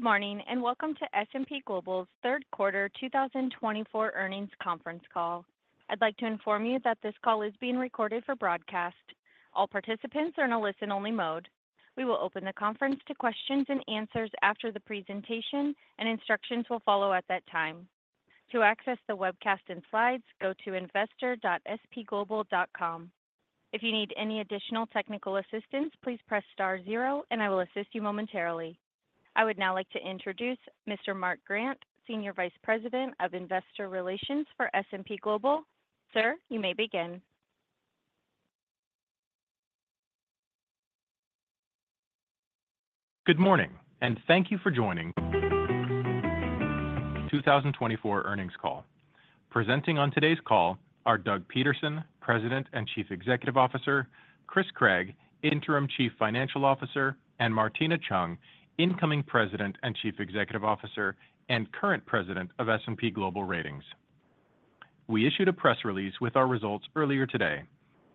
Good morning, and welcome to S&P Global's third quarter 2024 earnings conference call. I'd like to inform you that this call is being recorded for broadcast. All participants are in a listen-only mode. We will open the conference to questions and answers after the presentation, and instructions will follow at that time. To access the webcast and slides, go to investor.spglobal.com. If you need any additional technical assistance, please press star zero and I will assist you momentarily. I would now like to introduce Mr. Mark Grant, Senior Vice President of Investor Relations for S&P Global. Sir, you may begin. Good morning, and thank you for joining the 2024 earnings call. Presenting on today's call are Doug Peterson, President and Chief Executive Officer, Chris Craig, Interim Chief Financial Officer, and Martina Cheung, Incoming President and Chief Executive Officer and current President of S&P Global Ratings. We issued a press release with our results earlier today.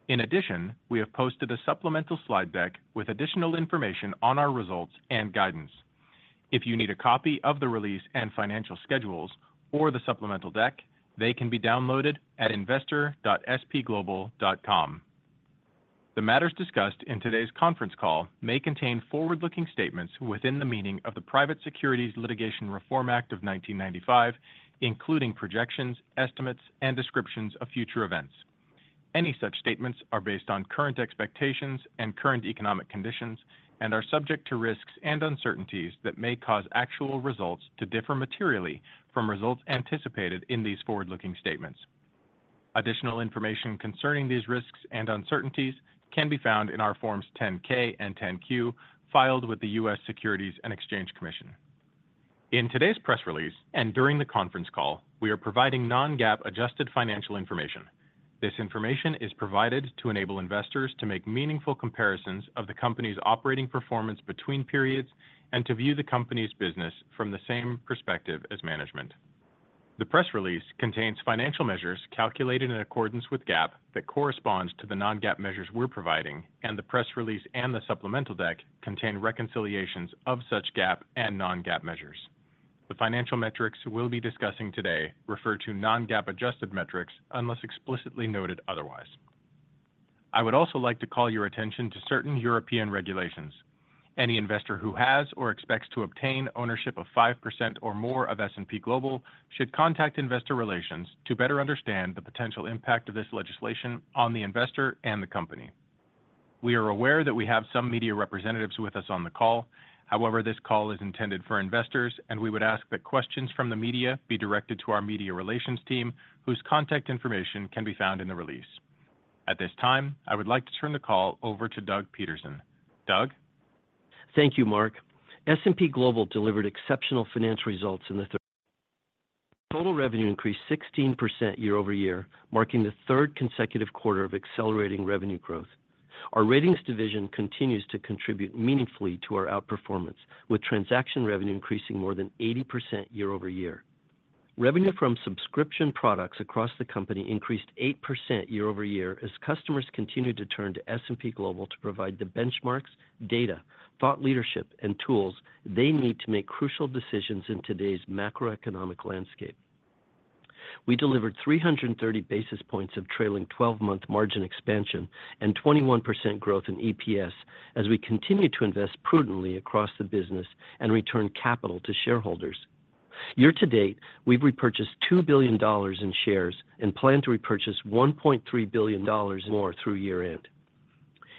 In addition, we have posted a supplemental slide deck with additional information on our results and guidance. If you need a copy of the release and financial schedules or the supplemental deck, they can be downloaded at investor.spglobal.com. The matters discussed in today's conference call may contain forward-looking statements within the meaning of the Private Securities Litigation Reform Act of 1995, including projections, estimates, and descriptions of future events. Any such statements are based on current expectations and current economic conditions and are subject to risks and uncertainties that may cause actual results to differ materially from results anticipated in these forward-looking statements. Additional information concerning these risks and uncertainties can be found in our Forms 10-K and 10-Q, filed with the US Securities and Exchange Commission. In today's press release and during the conference call, we are providing Non-GAAP adjusted financial information. This information is provided to enable investors to make meaningful comparisons of the company's operating performance between periods and to view the company's business from the same perspective as management. The press release contains financial measures calculated in accordance with GAAP, that corresponds to the Non-GAAP measures we're providing, and the press release and the supplemental deck contain reconciliations of such GAAP and Non-GAAP measures. The financial metrics we'll be discussing today refer to Non-GAAP adjusted metrics unless explicitly noted otherwise. I would also like to call your attention to certain European regulations. Any investor who has or expects to obtain ownership of 5% or more of S&P Global should contact Investor Relations to better understand the potential impact of this legislation on the investor and the company. We are aware that we have some media representatives with us on the call. However, this call is intended for investors, and we would ask that questions from the media be directed to our Media Relations team, whose contact information can be found in the release. At this time, I would like to turn the call over to Doug Peterson. Doug? Thank you, Mark. S&P Global delivered exceptional financial results in the third quarter. Total revenue increased 16% year-over-year, marking the third consecutive quarter of accelerating revenue growth. Our Ratings division continues to contribute meaningfully to our outperformance, with transaction revenue increasing more than 80% year-over-year. Revenue from subscription products across the company increased 8% year-over-year as customers continued to turn to S&P Global to provide the benchmarks, data, thought leadership, and tools they need to make crucial decisions in today's macroeconomic landscape. We delivered 330 basis points of trailing twelve-month margin expansion and 21% growth in EPS as we continued to invest prudently across the business and return capital to shareholders. Year to date, we've repurchased $2 billion in shares and plan to repurchase $1.3 billion more through year-end.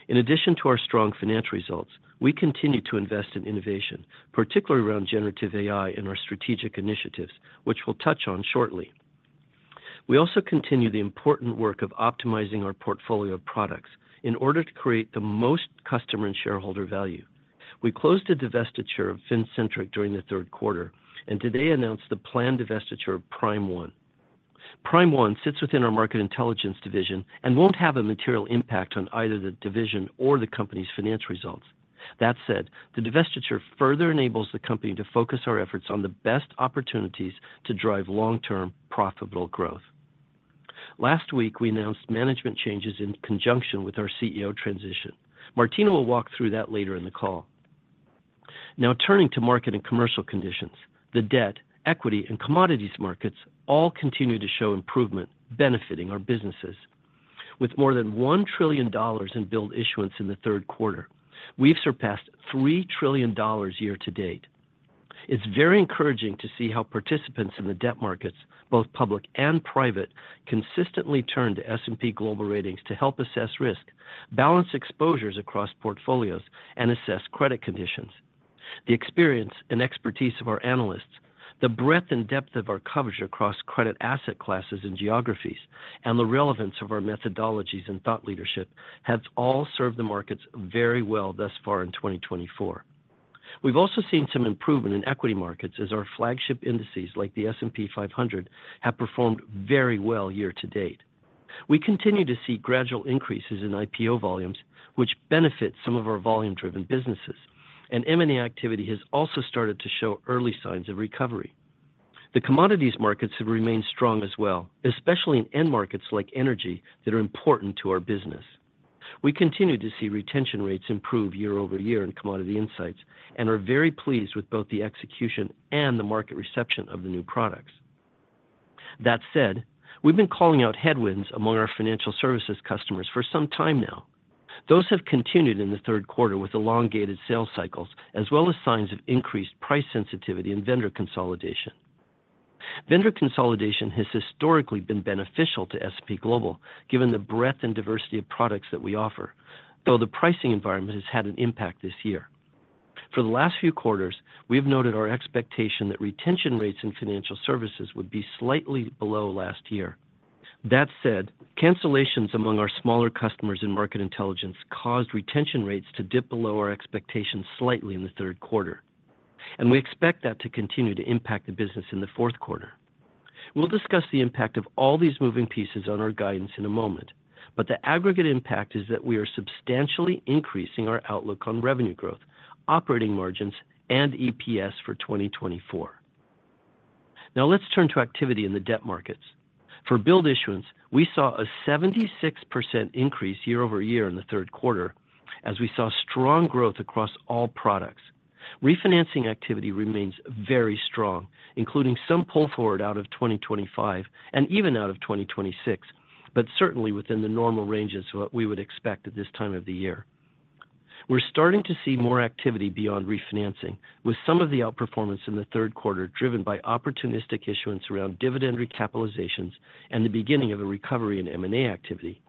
In addition to our strong financial results, we continue to invest in innovation, particularly around generative AI and our strategic initiatives, which we'll touch on shortly. We also continue the important work of optimizing our portfolio of products in order to create the most customer and shareholder value. We closed the divestiture of Fincentric during the third quarter and today announced the planned divestiture of PrimeOne. PrimeOne sits within our Market Intelligence Division and won't have a material impact on either the division or the company's financial results. That said, the divestiture further enables the company to focus our efforts on the best opportunities to drive long-term, profitable growth. Last week, we announced management changes in conjunction with our CEO transition. Martina will walk through that later in the call. Now, turning to market and commercial conditions. The debt, equity, and commodities markets all continue to show improvement, benefiting our businesses. With more than $1 trillion in billed issuance in the third quarter, we've surpassed $3 trillion year to date. It's very encouraging to see how participants in the debt markets, both public and private, consistently turn to S&P Global Ratings to help assess risk, balance exposures across portfolios, and assess credit conditions. The experience and expertise of our analysts, the breadth and depth of our coverage across credit asset classes and geographies, and the relevance of our methodologies and thought leadership have all served the markets very well thus far in 2024. We've also seen some improvement in equity markets as our flagship indices, like the S&P 500, have performed very well year to date. We continue to see gradual increases in IPO volumes, which benefit some of our volume-driven businesses, and M&A activity has also started to show early signs of recovery. The commodities markets have remained strong as well, especially in end markets like energy, that are important to our business. We continue to see retention rates improve year-over-year in Commodity Insights, and are very pleased with both the execution and the market reception of the new products. That said, we've been calling out headwinds among our financial services customers for some time now. Those have continued in the third quarter with elongated sales cycles, as well as signs of increased price sensitivity and vendor consolidation. Vendor consolidation has historically been beneficial to S&P Global, given the breadth and diversity of products that we offer, though the pricing environment has had an impact this year. For the last few quarters, we have noted our expectation that retention rates in financial services would be slightly below last year. That said, cancellations among our smaller customers in Market Intelligence caused retention rates to dip below our expectations slightly in the third quarter, and we expect that to continue to impact the business in the fourth quarter. We'll discuss the impact of all these moving pieces on our guidance in a moment, but the aggregate impact is that we are substantially increasing our outlook on revenue growth, operating margins, and EPS for 2024. Now let's turn to activity in the debt markets. For billed issuance, we saw a 76% increase year-over-year in the third quarter, as we saw strong growth across all products. Refinancing activity remains very strong, including some pull forward out of 2025 and even out of 2026, but certainly within the normal ranges of what we would expect at this time of the year. We're starting to see more activity beyond refinancing, with some of the outperformance in the third quarter driven by opportunistic issuance around dividend recapitalizations and the beginning of a recovery in M&A activity.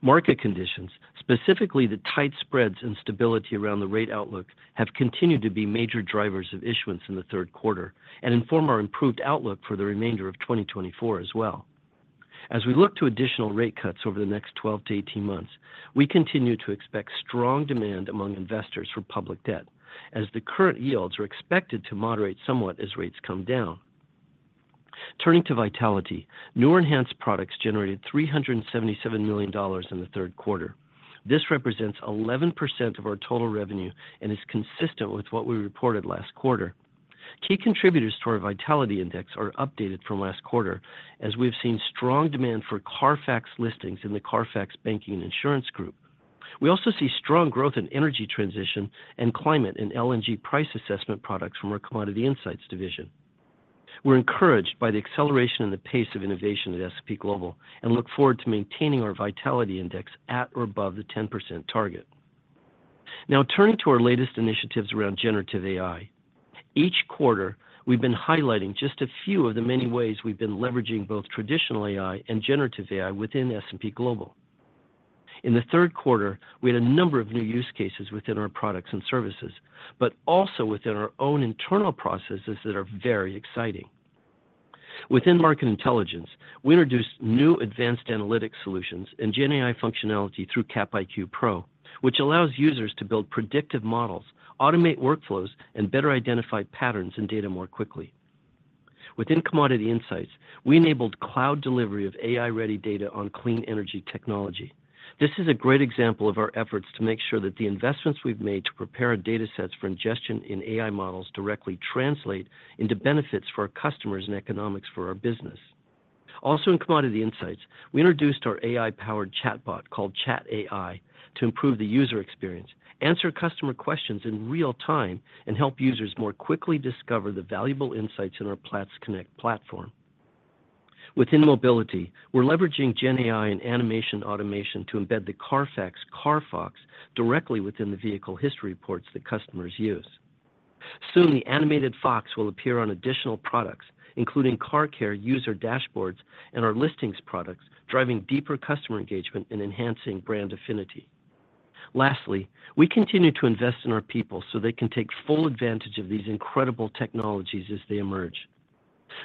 Market conditions, specifically the tight spreads and stability around the rate outlook, have continued to be major drivers of issuance in the third quarter and inform our improved outlook for the remainder of 2024 as well. As we look to additional rate cuts over the next twelve to eighteen months, we continue to expect strong demand among investors for public debt, as the current yields are expected to moderate somewhat as rates come down. Turning to vitality, new or enhanced products generated $377 million in the third quarter. This represents 11% of our total revenue and is consistent with what we reported last quarter. Key contributors to our vitality Index are updated from last quarter, as we've seen strong demand for CARFAX listings in the CARFAX Banking and Insurance Group. We also see strong growth in energy transition and climate in LNG price assessment products from our Commodity Insights division. We're encouraged by the acceleration in the pace of innovation at S&P Global and look forward to maintaining our vitality Index at or above the 10% target. Now, turning to our latest initiatives around generative AI. Each quarter, we've been highlighting just a few of the many ways we've been leveraging both traditional AI and generative AI within S&P Global. In the third quarter, we had a number of new use cases within our products and services, but also within our own internal processes that are very exciting. Within Market Intelligence, we introduced new advanced analytic solutions and GenAI functionality through CapIQ Pro, which allows users to build predictive models, automate workflows, and better identify patterns in data more quickly. Within Commodity Insights, we enabled cloud delivery of AI-ready data on Clean Energy Technology. This is a great example of our efforts to make sure that the investments we've made to prepare our datasets for ingestion in AI models directly translate into benefits for our customers and economics for our business. Also, in Commodity Insights, we introduced our AI-powered chatbot, called ChatAI, to improve the user experience, answer customer questions in real time, and help users more quickly discover the valuable insights in our Platts Connect platform. Within Mobility, we're leveraging GenAI and animation automation to embed the CARFAX Car Fox directly within the vehicle history reports that customers use. Soon, the animated fox will appear on additional products, including Car Care user dashboards and our listings products, driving deeper customer engagement and enhancing brand affinity. Lastly, we continue to invest in our people so they can take full advantage of these incredible technologies as they emerge.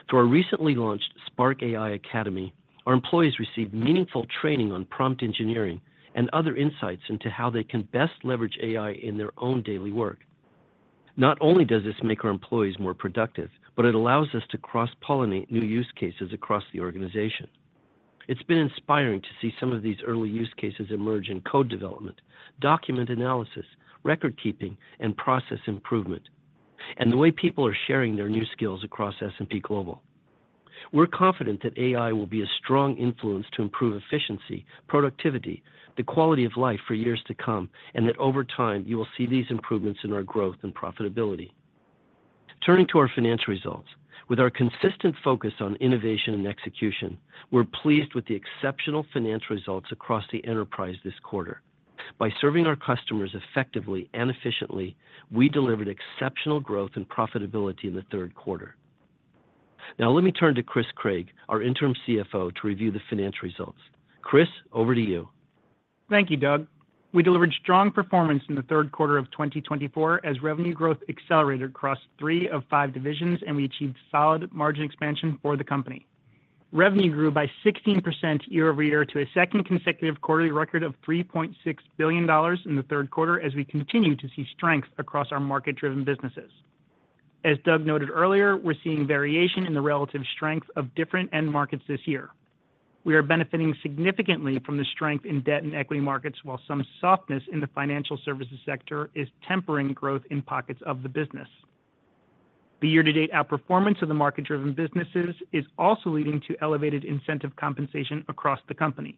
Through our recently launched Spark AI Academy, our employees receive meaningful training on prompt engineering and other insights into how they can best leverage AI in their own daily work. Not only does this make our employees more productive, but it allows us to cross-pollinate new use cases across the organization. It's been inspiring to see some of these early use cases emerge in code development, document analysis, record keeping, and process improvement, and the way people are sharing their new skills across S&P Global. We're confident that AI will be a strong influence to improve efficiency, productivity, the quality of life for years to come, and that over time, you will see these improvements in our growth and profitability. Turning to our financial results. With our consistent focus on innovation and execution, we're pleased with the exceptional financial results across the enterprise this quarter. By serving our customers effectively and efficiently, we delivered exceptional growth and profitability in the third quarter. Now let me turn to Chris Craig, our Interim CFO, to review the financial results. Chris, over to you. Thank you, Doug. We delivered strong performance in the third quarter of 2024 as revenue growth accelerated across 3-5 divisions, and we achieved solid margin expansion for the company. Revenue grew by 16% year-over-year to a second consecutive quarterly record of $3.6 billion in the third quarter as we continue to see strength across our market-driven businesses. As Doug noted earlier, we're seeing variation in the relative strength of different end markets this year. We are benefiting significantly from the strength in debt and equity markets, while some softness in the financial services sector is tempering growth in pockets of the business. The year-to-date outperformance of the market-driven businesses is also leading to elevated incentive compensation across the company.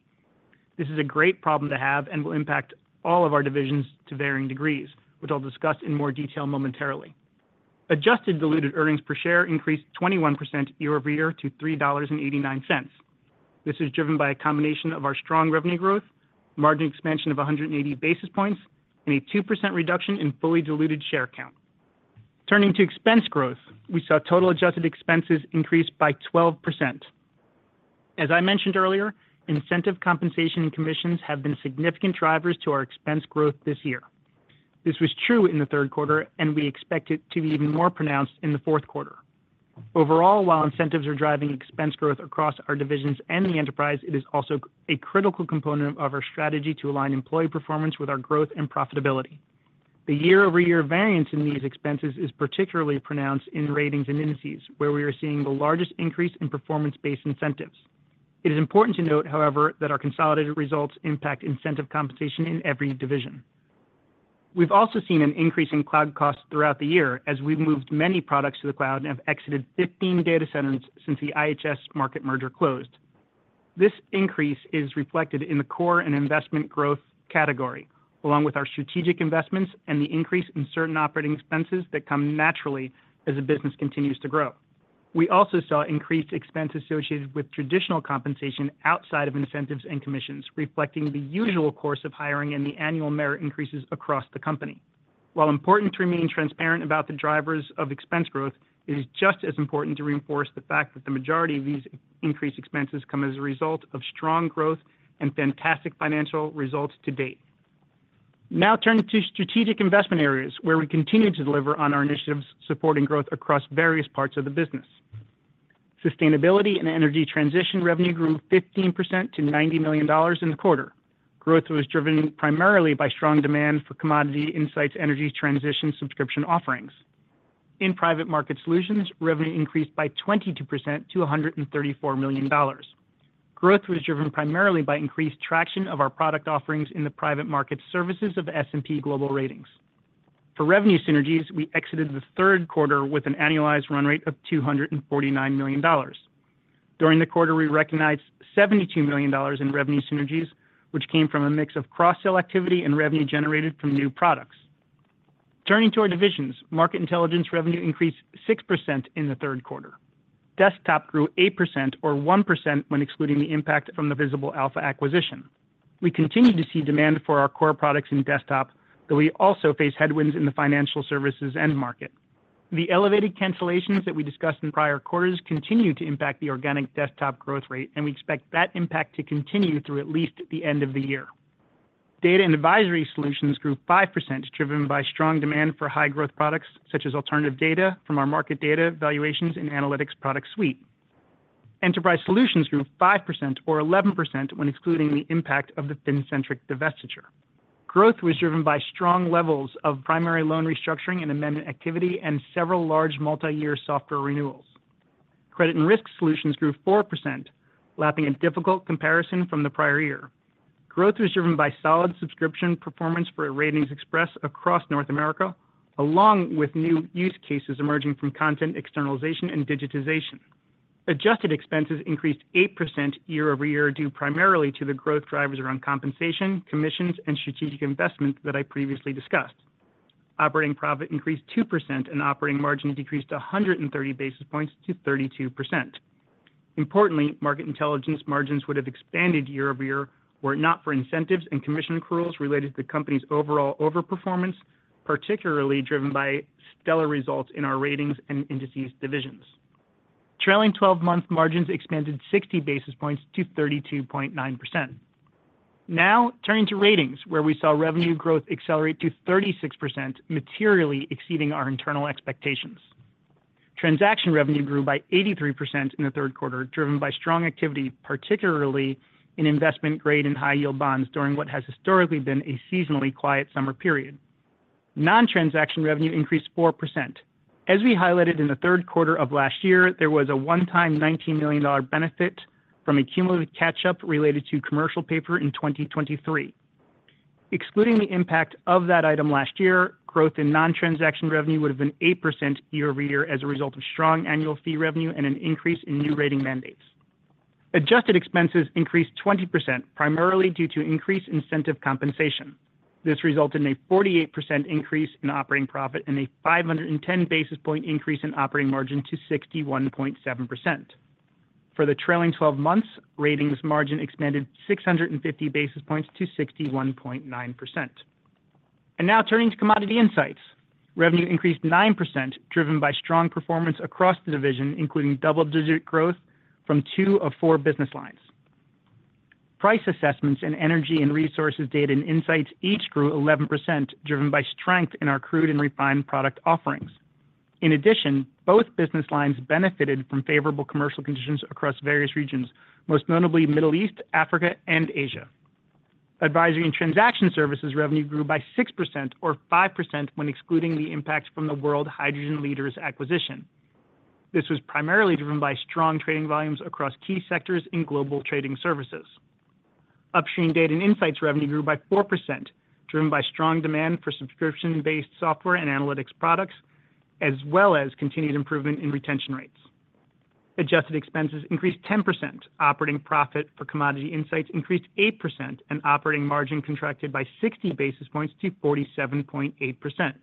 This is a great problem to have and will impact all of our divisions to varying degrees, which I'll discuss in more detail momentarily. Adjusted diluted earnings per share increased 21% year-over-year to $3.89. This is driven by a combination of our strong revenue growth, margin expansion of 180 basis points, and a 2% reduction in fully diluted share count. Turning to expense growth, we saw total adjusted expenses increase by 12%. As I mentioned earlier, incentive compensation and commissions have been significant drivers to our expense growth this year. This was true in the third quarter, and we expect it to be even more pronounced in the fourth quarter. Overall, while incentives are driving expense growth across our divisions and the enterprise, it is also a critical component of our strategy to align employee performance with our growth and profitability. The year-over-year variance in these expenses is particularly pronounced in Ratings and Indices, where we are seeing the largest increase in performance-based incentives. It is important to note, however, that our consolidated results impact incentive compensation in every division. We've also seen an increase in cloud costs throughout the year as we've moved many products to the cloud and have exited fifteen data centers since the IHS Markit merger closed. This increase is reflected in the core and investment growth category, along with our strategic investments and the increase in certain operating expenses that come naturally as the business continues to grow. We also saw increased expense associated with traditional compensation outside of incentives and commissions, reflecting the usual course of hiring and the annual merit increases across the company. While important to remain transparent about the drivers of expense growth, it is just as important to reinforce the fact that the majority of these increased expenses come as a result of strong growth and fantastic financial results to date. Now, turning to strategic investment areas, where we continue to deliver on our initiatives, supporting growth across various parts of the business. Sustainability and Energy Transition revenue grew 15% to $90 million in the quarter. Growth was driven primarily by strong demand for commodity insights, energy transition, subscription offerings. In Private Markets Solutions, revenue increased by 22% to $134 million. Growth was driven primarily by increased traction of our product offerings in the private market services of S&P Global Ratings. For revenue synergies, we exited the third quarter with an annualized run rate of $249 million. During the quarter, we recognized $72 million in revenue synergies, which came from a mix of cross-sell activity and revenue generated from new products. Turning to our divisions, Market Intelligence revenue increased 6% in the third quarter. Desktop grew 8% or 1% when excluding the impact from the Visible Alpha acquisition. We continue to see demand for our core products in desktop, though we also face headwinds in the financial services end market. The elevated cancellations that we discussed in prior quarters continue to impact the organic desktop growth rate, and we expect that impact to continue through at least the end of the year. Data and Advisory Solutions grew 5%, driven by strong demand for high growth products, such as alternative data from our market data valuations and analytics product suite. Enterprise Solutions grew 5% or 11% when excluding the impact of the Fincentric divestiture. Growth was driven by strong levels of primary loan restructuring and amendment activity and several large multi-year software renewals. Credit and Risk Solutions grew 4%, lapping a difficult comparison from the prior year. Growth was driven by solid subscription performance for RatingsXpress across North America, along with new use cases emerging from content externalization and digitization. Adjusted expenses increased 8% year-over-year, due primarily to the growth drivers around compensation, commissions, and strategic investments that I previously discussed. Operating profit increased 2%, and operating margin decreased 130 basis points to 32%. Importantly, Market Intelligence margins would have expanded year-over-year, were it not for incentives and commission accruals related to the company's overall overperformance, particularly driven by stellar results in our Ratings and Indices divisions. Trailing-twelve-month margins expanded sixty basis points to 32.9%. Now turning to Ratings, where we saw revenue growth accelerate to 36%, materially exceeding our internal expectations. Transaction revenue grew by 83% in the third quarter, driven by strong activity, particularly in investment-grade and high-yield bonds, during what has historically been a seasonally quiet summer period. Non-transaction revenue increased 4%. As we highlighted in the third quarter of last year, there was a one-time $19 million benefit from a cumulative catch-up related to commercial paper in 2023. Excluding the impact of that item last year, growth in non-transaction revenue would have been 8% year-over-year as a result of strong annual fee revenue and an increase in new rating mandates. Adjusted expenses increased 20%, primarily due to increased incentive compensation. This resulted in a 48% increase in operating profit and a 510 basis point increase in operating margin to 61.7%. For the trailing twelve months, Ratings margin expanded 650 basis points to 61.9%. Now turning to Commodity Insights. Revenue increased 9%, driven by strong performance across the division, including double-digit growth from two of four business lines. Price Assessments and Energy and Resources Data and Insights each grew 11%, driven by strength in our crude and refined product offerings. In addition, both business lines benefited from favorable commercial conditions across various regions, most notably Middle East, Africa, and Asia. Advisory and Transaction Services revenue grew by 6% or 5% when excluding the impact from the World Hydrogen Leaders acquisition. This was primarily driven by strong trading volumes across key sectors in Global Trading Services. Upstream Data and Insights revenue grew by 4%, driven by strong demand for subscription-based software and analytics products, as well as continued improvement in retention rates. Adjusted expenses increased 10%. Operating profit for Commodity Insights increased 8%, and operating margin contracted by 60 basis points to 47.8%.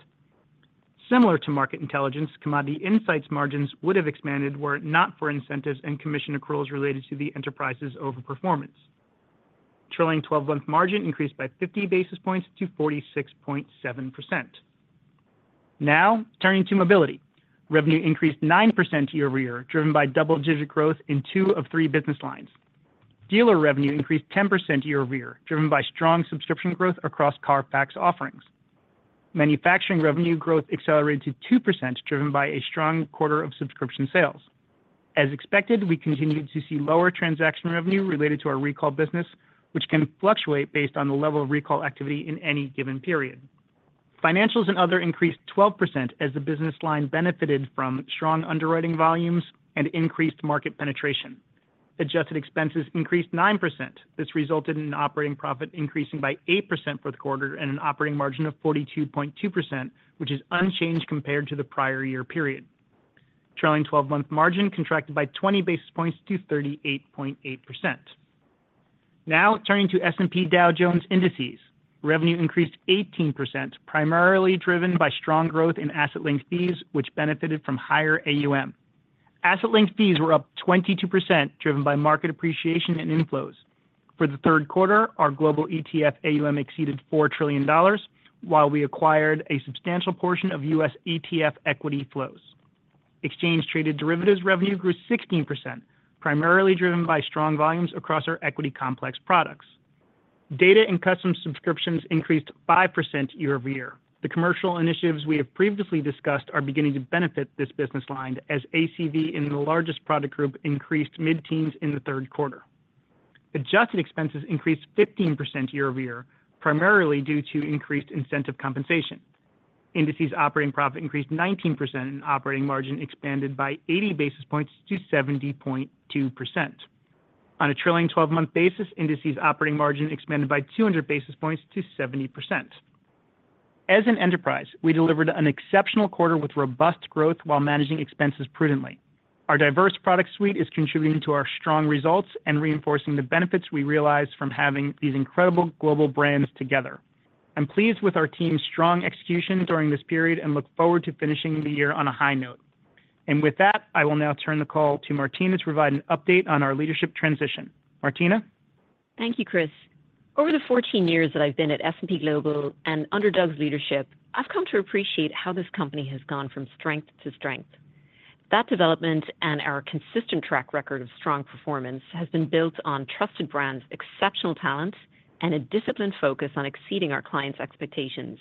Similar to Market Intelligence, Commodity Insights margins would have expanded were it not for incentives and commission accruals related to the enterprise's overperformance. Trailing 12-month margin increased by 50 basis points to 46.7%. Now, turning to Mobility. Revenue increased 9% year-over-year, driven by double-digit growth in two of three business lines. Dealer revenue increased 10% year-over-year, driven by strong subscription growth across CARFAX offerings. Manufacturing revenue growth accelerated to 2%, driven by a strong quarter of subscription sales. As expected, we continued to see lower transaction revenue related to our recall business, which can fluctuate based on the level of recall activity in any given period. Financials and Other increased 12% as the business line benefited from strong underwriting volumes and increased market penetration. Adjusted expenses increased 9%. This resulted in an operating profit increasing by 8% for the quarter and an operating margin of 42.2%, which is unchanged compared to the prior year period. Trailing 12-month margin contracted by 20 basis points to 38.8%. Now, turning to S&P Dow Jones Indices. Revenue increased 18%, primarily driven by strong growth in Asset-Linked Fees, which benefited from higher AUM. Asset-Linked Fees were up 22%, driven by market appreciation and inflows. For the third quarter, our global ETF AUM exceeded $4 trillion, while we acquired a substantial portion of U.S. ETF equity flows. Exchange-Traded Derivatives revenue grew 16%, primarily driven by strong volumes Data & Custom Subscriptions increased 5% year-over-year. the commercial initiatives we have previously discussed are beginning to benefit this business line, as ACV in the largest product group increased mid-teens in the third quarter. Adjusted expenses increased 15% year-over-year, primarily due to increased incentive compensation. Indices operating profit increased 19%, and operating margin expanded by 80 basis points to 70.2%. On a trailing 12-month basis, Indices operating margin expanded by 200 basis points to 70%. As an enterprise, we delivered an exceptional quarter with robust growth while managing expenses prudently. Our diverse product suite is contributing to our strong results and reinforcing the benefits we realize from having these incredible global brands together. I'm pleased with our team's strong execution during this period and look forward to finishing the year on a high note. And with that, I will now turn the call to Martina to provide an update on our leadership transition. Martina? Thank you, Chris. Over the 14 years that I've been at S&P Global and under Doug's leadership, I've come to appreciate how this company has gone from strength to strength. That development and our consistent track record of strong performance has been built on trusted brands, exceptional talent, and a disciplined focus on exceeding our clients' expectations.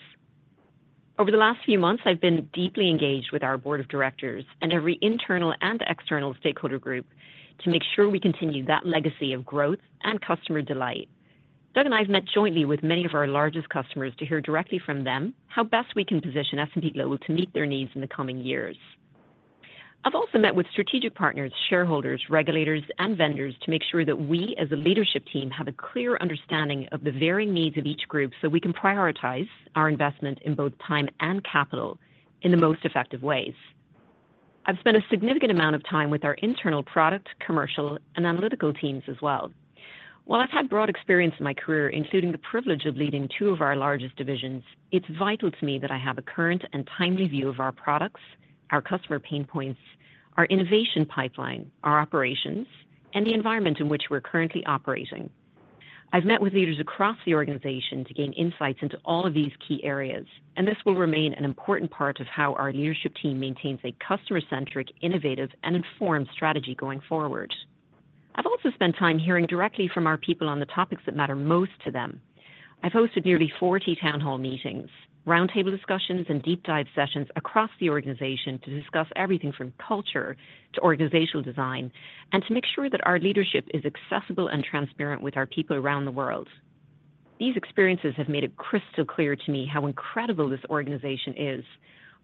Over the last few months, I've been deeply engaged with our board of directors and every internal and external stakeholder group to make sure we continue that legacy of growth and customer delight. Doug and I have met jointly with many of our largest customers to hear directly from them how best we can position S&P Global to meet their needs in the coming years. I've also met with strategic partners, shareholders, regulators, and vendors to make sure that we, as a leadership team, have a clear understanding of the varying needs of each group, so we can prioritize our investment in both time and capital in the most effective ways. I've spent a significant amount of time with our internal product, commercial, and analytical teams as well. While I've had broad experience in my career, including the privilege of leading two of our largest divisions, it's vital to me that I have a current and timely view of our products, our customer pain points, our innovation pipeline, our operations, and the environment in which we're currently operating. I've met with leaders across the organization to gain insights into all of these key areas, and this will remain an important part of how our leadership team maintains a customer-centric, innovative, and informed strategy going forward. I've also spent time hearing directly from our people on the topics that matter most to them. I've hosted nearly 40 town hall meetings, roundtable discussions, and deep dive sessions across the organization to discuss everything from culture to organizational design, and to make sure that our leadership is accessible and transparent with our people around the world. These experiences have made it crystal clear to me how incredible this organization is.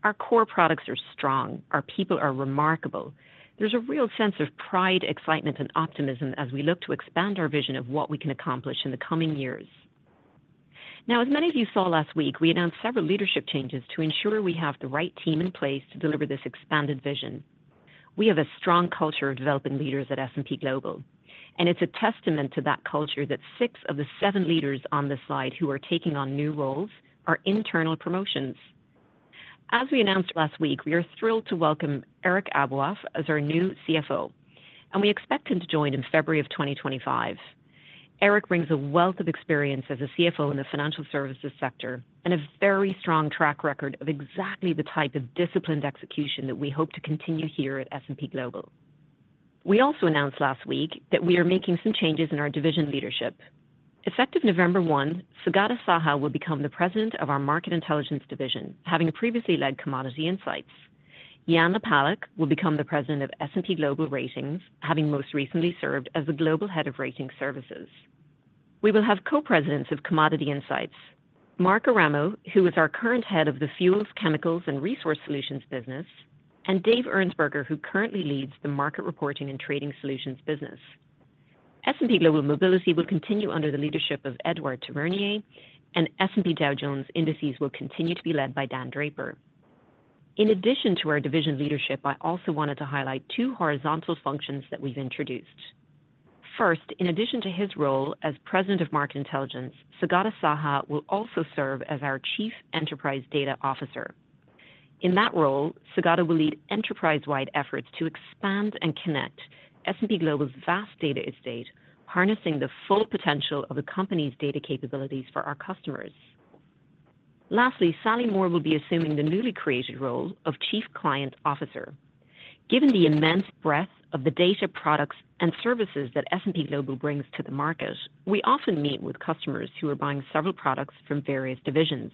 Our core products are strong. Our people are remarkable. There's a real sense of pride, excitement, and optimism as we look to expand our vision of what we can accomplish in the coming years. Now, as many of you saw last week, we announced several leadership changes to ensure we have the right team in place to deliver this expanded vision. We have a strong culture of developing leaders at S&P Global, and it's a testament to that culture that six of the seven leaders on this slide who are taking on new roles are internal promotions. As we announced last week, we are thrilled to welcome Eric Aboaf as our new CFO, and we expect him to join in February of 2025. Eric brings a wealth of experience as a CFO in the financial services sector and a very strong track record of exactly the type of disciplined execution that we hope to continue here at S&P Global. We also announced last week that we are making some changes in our division leadership. Effective November one, Sugata Saha will become the President of our Market Intelligence Division, having previously led Commodity Insights.... Jason Haas will become the President of S&P Global Ratings, having most recently served as the Global Head of Rating Services. We will have Co-Presidents of Commodity Insights. Mark Eramo, who is our current head of the Fuels, Chemicals, and Resource Solutions business, and Dave Ernsberger, who currently leads the Market Reporting and Trading Solutions business. S&P Global Mobility will continue under the leadership of Edouard Tavernier, and S&P Dow Jones Indices will continue to be led by Dan Draper. In addition to our division leadership, I also wanted to highlight two horizontal functions that we've introduced. First, in addition to his role as President of Market Intelligence, Sugata Saha will also serve as our Chief Enterprise Data Officer. In that role, Sugata will lead enterprise-wide efforts to expand and connect S&P Global's vast data estate, harnessing the full potential of the company's data capabilities for our customers. Lastly, Sally Moore will be assuming the newly created role of Chief Client Officer. Given the immense breadth of the data, products, and services that S&P Global brings to the market, we often meet with customers who are buying several products from various divisions.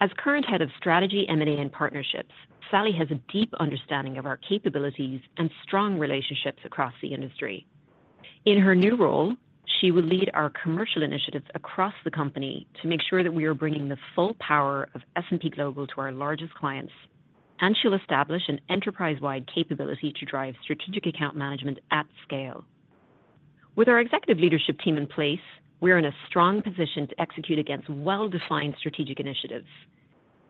As current Head of Strategy, M&A, and Partnerships, Sally has a deep understanding of our capabilities and strong relationships across the industry. In her new role, she will lead our commercial initiatives across the company to make sure that we are bringing the full power of S&P Global to our largest clients, and she'll establish an enterprise-wide capability to drive strategic account management at scale. With our executive leadership team in place, we're in a strong position to execute against well-defined strategic initiatives.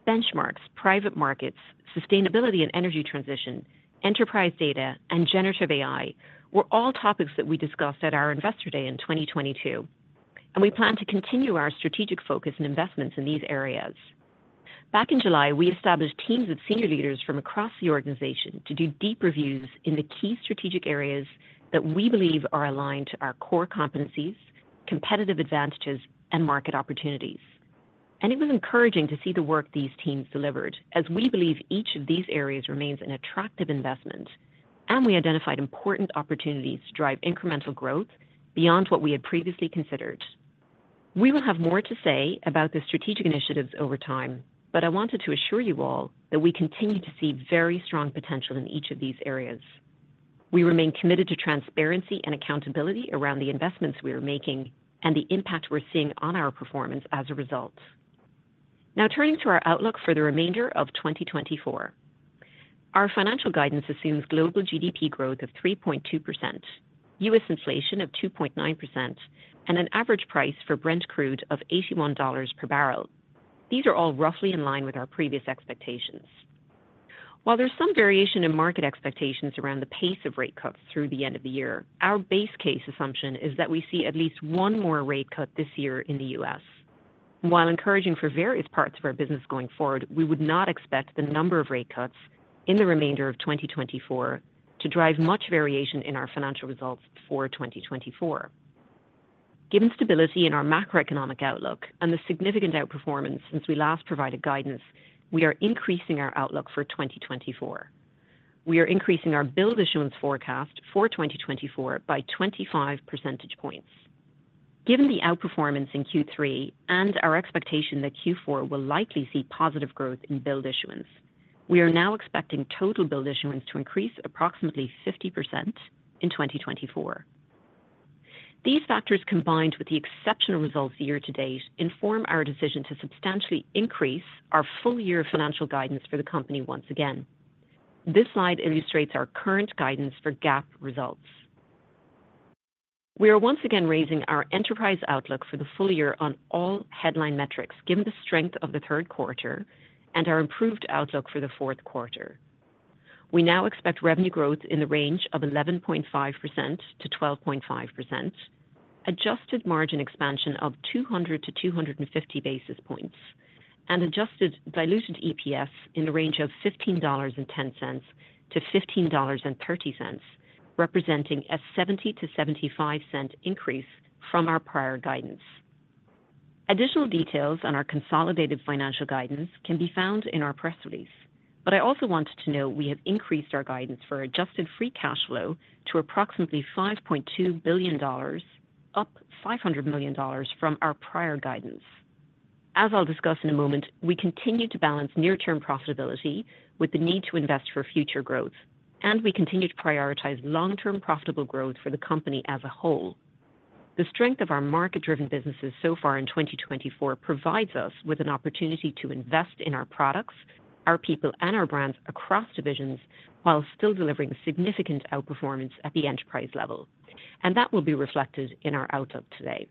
Benchmarks, private markets, Sustainability and Energy Transition, enterprise data, and generative AI were all topics that we discussed at our Investor Day in 2022, and we plan to continue our strategic focus and investments in these areas. Back in July, we established teams of senior leaders from across the organization to do deep reviews in the key strategic areas that we believe are aligned to our core competencies, competitive advantages, and market opportunities. And it was encouraging to see the work these teams delivered, as we believe each of these areas remains an attractive investment, and we identified important opportunities to drive incremental growth beyond what we had previously considered. We will have more to say about the strategic initiatives over time, but I wanted to assure you all that we continue to see very strong potential in each of these areas. We remain committed to transparency and accountability around the investments we are making and the impact we're seeing on our performance as a result. Now, turning to our outlook for the remainder of 2024. Our financial guidance assumes global GDP growth of 3.2%, U.S. inflation of 2.9%, and an average price for Brent crude of $81 per barrel. These are all roughly in line with our previous expectations. While there's some variation in market expectations around the pace of rate cuts through the end of the year, our base case assumption is that we see at least one more rate cut this year in the U.S. While encouraging for various parts of our business going forward, we would not expect the number of rate cuts in the remainder of 2024 to drive much variation in our financial results for 2024. Given stability in our macroeconomic outlook and the significant outperformance since we last provided guidance, we are increasing our outlook for 2024. We are increasing our billed issuance forecast for 2024 by 25 percentage points. Given the outperformance in Q3 and our expectation that Q4 will likely see positive growth in billed issuance, we are now expecting total billed issuance to increase approximately 50% in 2024. These factors, combined with the exceptional results year to date, inform our decision to substantially increase our full year financial guidance for the company once again. This slide illustrates our current guidance for GAAP results. We are once again raising our enterprise outlook for the full year on all headline metrics, given the strength of the third quarter and our improved outlook for the fourth quarter. We now expect revenue growth in the range of 11.5%-12.5%, adjusted margin expansion of 200-250 basis points, and adjusted diluted EPS in the range of $15.10-$15.30, representing a $0.70-$0.75 increase from our prior guidance. Additional details on our consolidated financial guidance can be found in our press release, but I also wanted to note we have increased our guidance for adjusted free cash flow to approximately $5.2 billion, up $500 million from our prior guidance. As I'll discuss in a moment, we continue to balance near-term profitability with the need to invest for future growth, and we continue to prioritize long-term profitable growth for the company as a whole. The strength of our market-driven businesses so far in 2024 provides us with an opportunity to invest in our products, our people, and our brands across divisions, while still delivering significant outperformance at the enterprise level, and that will be reflected in our outlook today.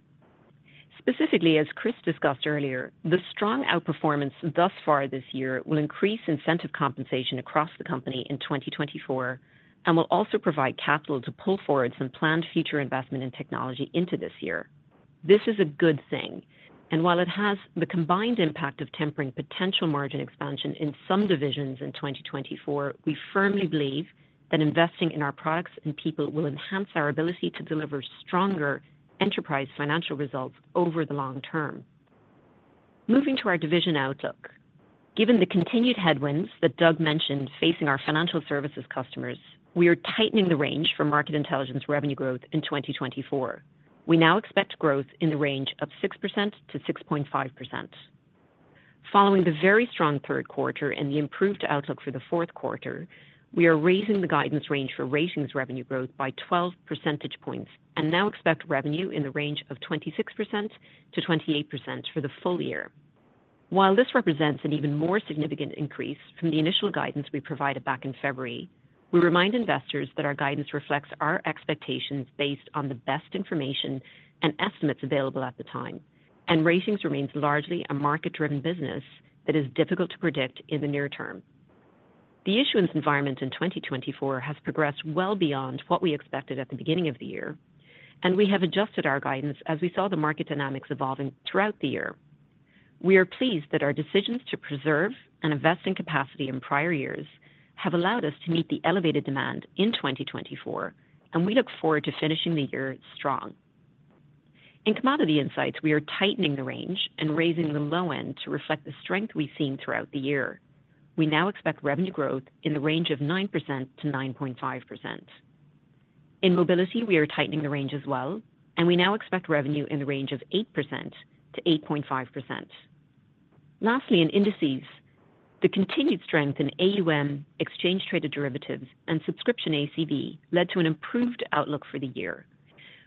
Specifically, as Chris discussed earlier, the strong outperformance thus far this year will increase incentive compensation across the company in 2024 and will also provide capital to pull forward some planned future investment in technology into this year. This is a good thing, and while it has the combined impact of tempering potential margin expansion in some divisions in 2024, we firmly believe that investing in our products and people will enhance our ability to deliver stronger enterprise financial results over the long term. Moving to our division outlook. Given the continued headwinds that Doug mentioned facing our financial services customers, we are tightening the range for Market Intelligence revenue growth in 2024. We now expect growth in the range of 6%-6.5%. Following the very strong third quarter and the improved outlook for the fourth quarter, we are raising the guidance range for Ratings revenue growth by twelve percentage points, and now expect revenue in the range of 26%-28% for the full year. While this represents an even more significant increase from the initial guidance we provided back in February, we remind investors that our guidance reflects our expectations based on the best information and estimates available at the time, and Ratings remains largely a market-driven business that is difficult to predict in the near term. The issuance environment in 2024 has progressed well beyond what we expected at the beginning of the year, and we have adjusted our guidance as we saw the market dynamics evolving throughout the year. We are pleased that our decisions to preserve and invest in capacity in prior years have allowed us to meet the elevated demand in 2024, and we look forward to finishing the year strong. In Commodity Insights, we are tightening the range and raising the low end to reflect the strength we've seen throughout the year. We now expect revenue growth in the range of 9%-9.5%. In Mobility, we are tightening the range as well, and we now expect revenue in the range of 8%-8.5%. Lastly, in Indices, the continued strength in AUM, Exchange-Traded Derivatives, and subscription ACV led to an improved outlook for the year.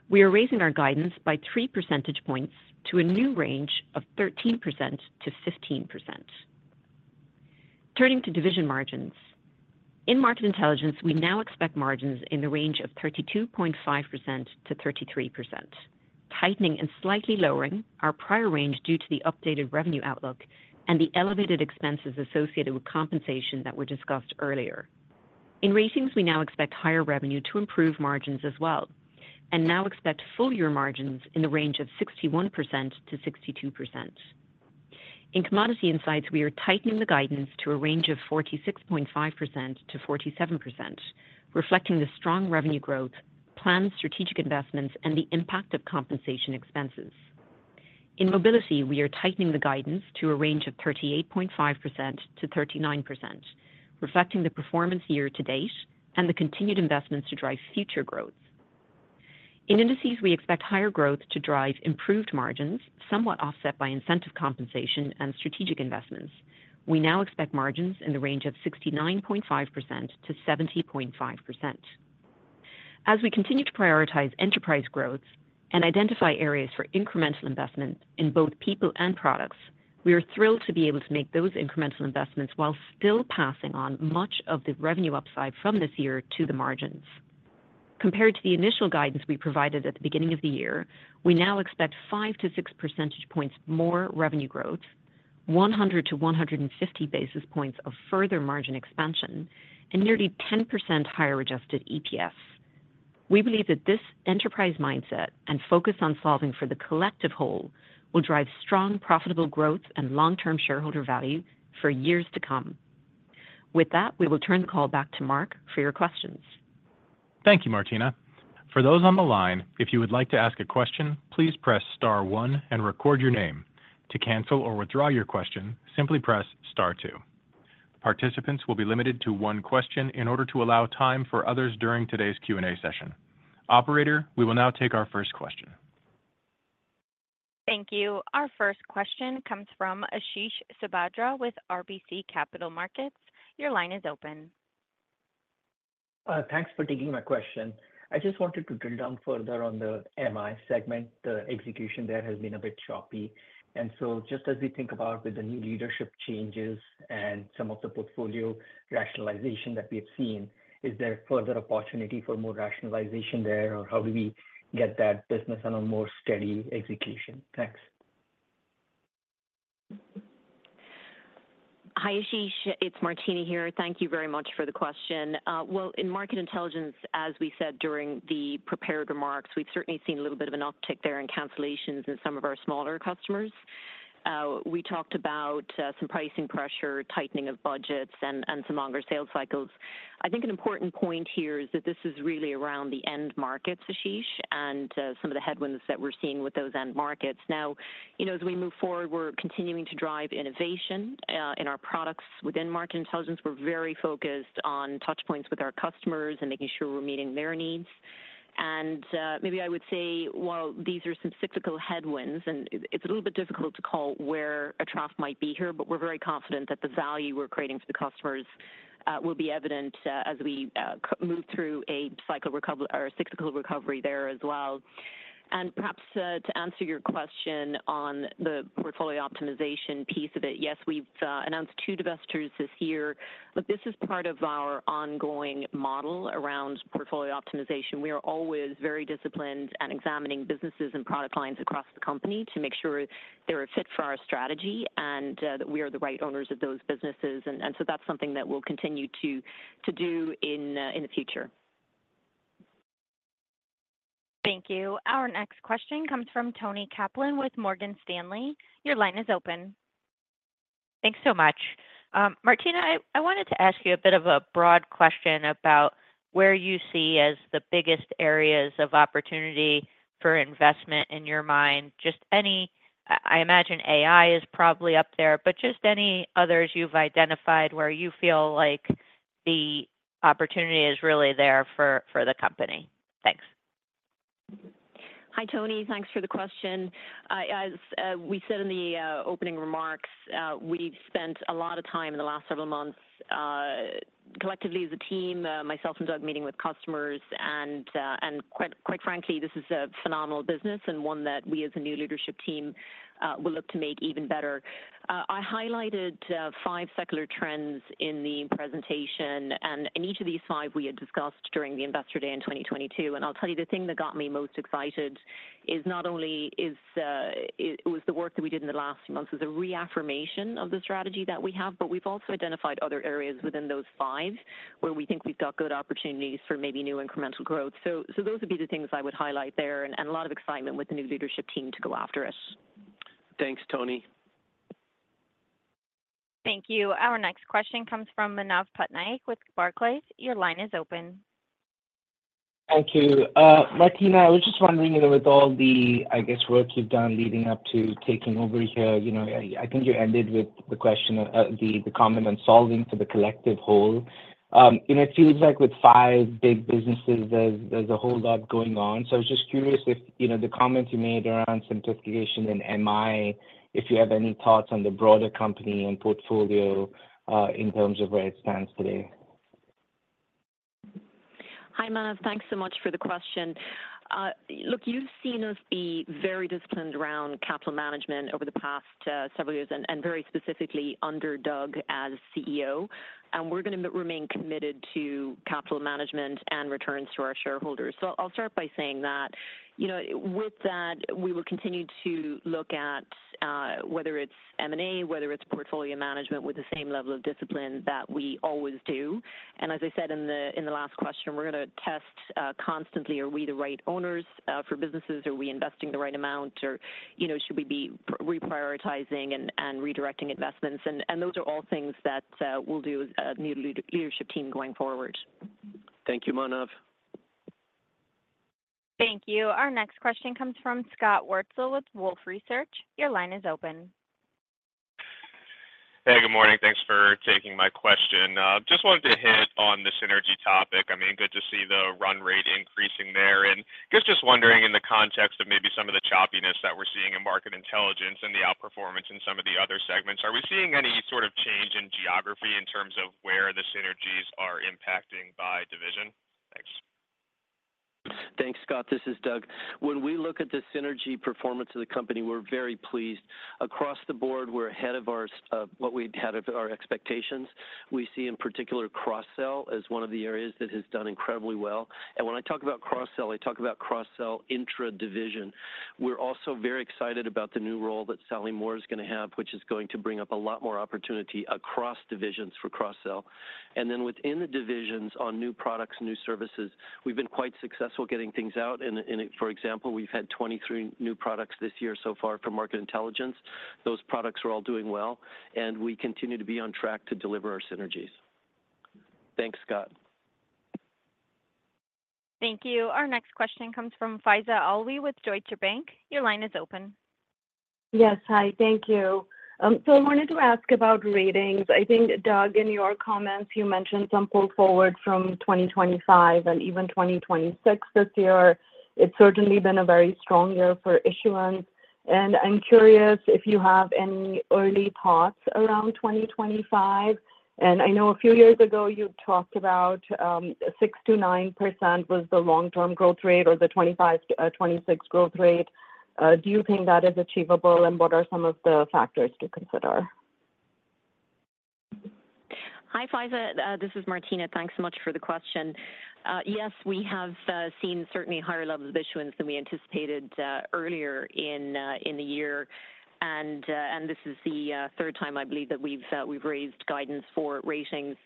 We are raising our guidance by three percentage points to a new range of 13%-15%. Turning to division margins. In Market Intelligence, we now expect margins in the range of 32.5%-33%, tightening and slightly lowering our prior range due to the updated revenue outlook and the elevated expenses associated with compensation that were discussed earlier. In Ratings, we now expect higher revenue to improve margins as well, and now expect full year margins in the range of 61%-62%. In Commodity Insights, we are tightening the guidance to a range of 46.5%-47%, reflecting the strong revenue growth, planned strategic investments, and the impact of compensation expenses. In Mobility, we are tightening the guidance to a range of 38.5%-39%, reflecting the performance year to date and the continued investments to drive future growth. In Indices, we expect higher growth to drive improved margins, somewhat offset by incentive compensation and strategic investments. We now expect margins in the range of 69.5%-70.5%. As we continue to prioritize enterprise growth and identify areas for incremental investment in both people and products, we are thrilled to be able to make those incremental investments while still passing on much of the revenue upside from this year to the margins. Compared to the initial guidance we provided at the beginning of the year, we now expect five to six percentage points more revenue growth, 100-150 basis points of further margin expansion, and nearly 10% higher adjusted EPS. We believe that this enterprise mindset and focus on solving for the collective whole will drive strong, profitable growth and long-term shareholder value for years to come. With that, we will turn the call back to Mark for your questions. Thank you, Martina. For those on the line, if you would like to ask a question, please press star one and record your name. To cancel or withdraw your question, simply press star two. Participants will be limited to one question in order to allow time for others during today's Q&A session. Operator, we will now take our first question. Thank you. Our first question comes from Ashish Sabadra with RBC Capital Markets. Your line is open. Thanks for taking my question. I just wanted to drill down further on the MI segment. The execution there has been a bit choppy, and so just as we think about with the new leadership changes and some of the portfolio rationalization that we've seen, is there further opportunity for more rationalization there, or how do we get that business on a more steady execution? Thanks. Hi, Ashish. It's Martina here. Thank you very much for the question. Well, in Market Intelligence, as we said during the prepared remarks, we've certainly seen a little bit of an uptick there in cancellations in some of our smaller customers. We talked about some pricing pressure, tightening of budgets and some longer sales cycles. I think an important point here is that this is really around the end markets, Ashish, and some of the headwinds that we're seeing with those end markets. Now, you know, as we move forward, we're continuing to drive innovation in our products within Market Intelligence. We're very focused on touch points with our customers and making sure we're meeting their needs. Maybe I would say, while these are some cyclical headwinds, and it's a little bit difficult to call where a trough might be here, but we're very confident that the value we're creating for the customers will be evident as we move through a cycle recovery or a cyclical recovery there as well. Perhaps to answer your question on the portfolio optimization piece of it, yes, we've announced two divestitures this year, but this is part of our ongoing model around portfolio optimization. We are always very disciplined at examining businesses and product lines across the company to make sure they're a fit for our strategy and that we are the right owners of those businesses. So that's something that we'll continue to do in the future. Thank you. Our next question comes from Toni Kaplan with Morgan Stanley. Your line is open. Thanks so much. Martina, I wanted to ask you a bit of a broad question about where you see as the biggest areas of opportunity for investment in your mind. Just, I imagine AI is probably up there, but just any others you've identified where you feel like the opportunity is really there for the company? Thanks. Hi, Toni. Thanks for the question. As we said in the opening remarks, we've spent a lot of time in the last several months, collectively as a team, myself and Doug, meeting with customers, and quite frankly, this is a phenomenal business and one that we, as a new leadership team, will look to make even better. I highlighted five secular trends in the presentation, and in each of these five we had discussed during the Investor Day in 2022. And I'll tell you, the thing that got me most excited is not only the work that we did in the last few months, it was a reaffirmation of the strategy that we have, but we've also identified other areas within those five, where we think we've got good opportunities for maybe new incremental growth. So those would be the things I would highlight there, and a lot of excitement with the new leadership team to go after it. Thanks, Tony. Thank you. Our next question comes from Manav Patnaik with Barclays. Your line is open. Thank you. Martina, I was just wondering if, with all the, I guess, work you've done leading up to taking over here, you know, I think you ended with the question of, the comment on solving for the collective whole, and it feels like with five big businesses, there's a whole lot going on. So I was just curious if, you know, the comments you made around simplification and MI, if you have any thoughts on the broader company and portfolio, in terms of where it stands today? Hi, Manav. Thanks so much for the question. Look, you've seen us be very disciplined around capital management over the past several years, and very specifically under Doug as CEO. We're gonna remain committed to capital management and returns to our shareholders. I'll start by saying that. You know, with that, we will continue to look at whether it's M&A, whether it's portfolio management, with the same level of discipline that we always do. As I said in the last question, we're gonna test constantly, are we the right owners for businesses? Are we investing the right amount? Or, you know, should we be reprioritizing and redirecting investments? Those are all things that we'll do as a new leadership team going forward. Thank you, Manav. Thank you. Our next question comes from Scott Wurtzel with Wolfe Research. Your line is open. Hey, good morning. Thanks for taking my question. Just wanted to hit on the synergy topic. I mean, good to see the run rate increasing there. And I guess just wondering, in the context of maybe some of the choppiness that we're seeing in Market Intelligence and the outperformance in some of the other segments, are we seeing any sort of change in geography in terms of where the synergies are impacting by division? Thanks. Thanks, Scott. This is Doug. When we look at the synergy performance of the company, we're very pleased. Across the board, we're ahead of our, what we had of our expectations. We see, in particular, cross-sell as one of the areas that has done incredibly well. And when I talk about cross-sell, I talk about cross-sell intra-division. We're also very excited about the new role that Sally Moore is going to have, which is going to bring up a lot more opportunity across divisions for cross-sell. And then within the divisions on new products, new services, we've been quite successful getting things out. And, and for example, we've had 23 new products this year so far from Market Intelligence. Those products are all doing well, and we continue to be on track to deliver our synergies. Thanks, Scott. Thank you. Our next question comes from Faiza Alwy with Deutsche Bank. Your line is open. Yes. Hi, thank you. So I wanted to ask about Ratings. I think, Doug, in your comments, you mentioned some pull forward from 2025 and even 2026 this year. It's certainly been a very strong year for issuance, and I'm curious if you have any early thoughts around 2025. And I know a few years ago you talked about, 6%-9% was the long-term growth rate or the 2025, 2026 growth rate. Do you think that is achievable, and what are some of the factors to consider? Hi, Faiza. This is Martina. Thanks so much for the question. Yes, we have seen certainly higher levels of issuance than we anticipated earlier in the year. This is the third time, I believe, that we've raised guidance for Ratings.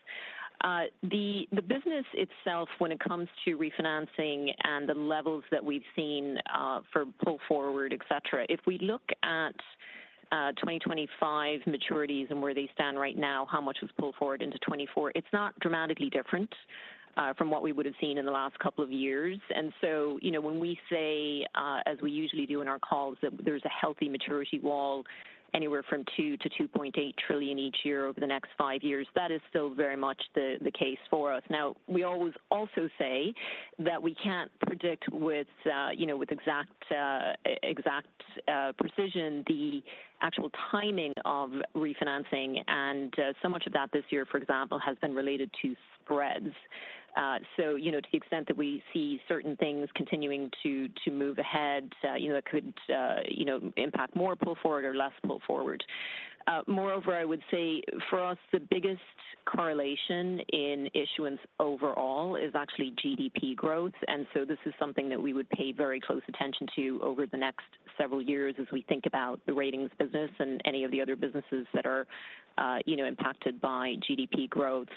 The business itself, when it comes to refinancing and the levels that we've seen for pull forward, et cetera, if we look at 2025 maturities and where they stand right now, how much was pulled forward into 2024, it's not dramatically different from what we would have seen in the last couple of years. And so, you know, when we say, as we usually do in our calls, that there's a healthy maturity wall, anywhere from $2 trillion-$2.8 trillion each year over the next five years, that is still very much the case for us. Now, we always also say that we can't predict with, you know, with exact precision, the actual timing of refinancing, and, so much of that this year, for example, has been related to spreads. So, you know, to the extent that we see certain things continuing to move ahead, you know, it could impact more pull forward or less pull forward. Moreover, I would say for us, the biggest correlation in issuance overall is actually GDP growth, and so this is something that we would pay very close attention to over the next several years as we think about the Ratings business and any of the other businesses that are, you know, impacted by GDP growth.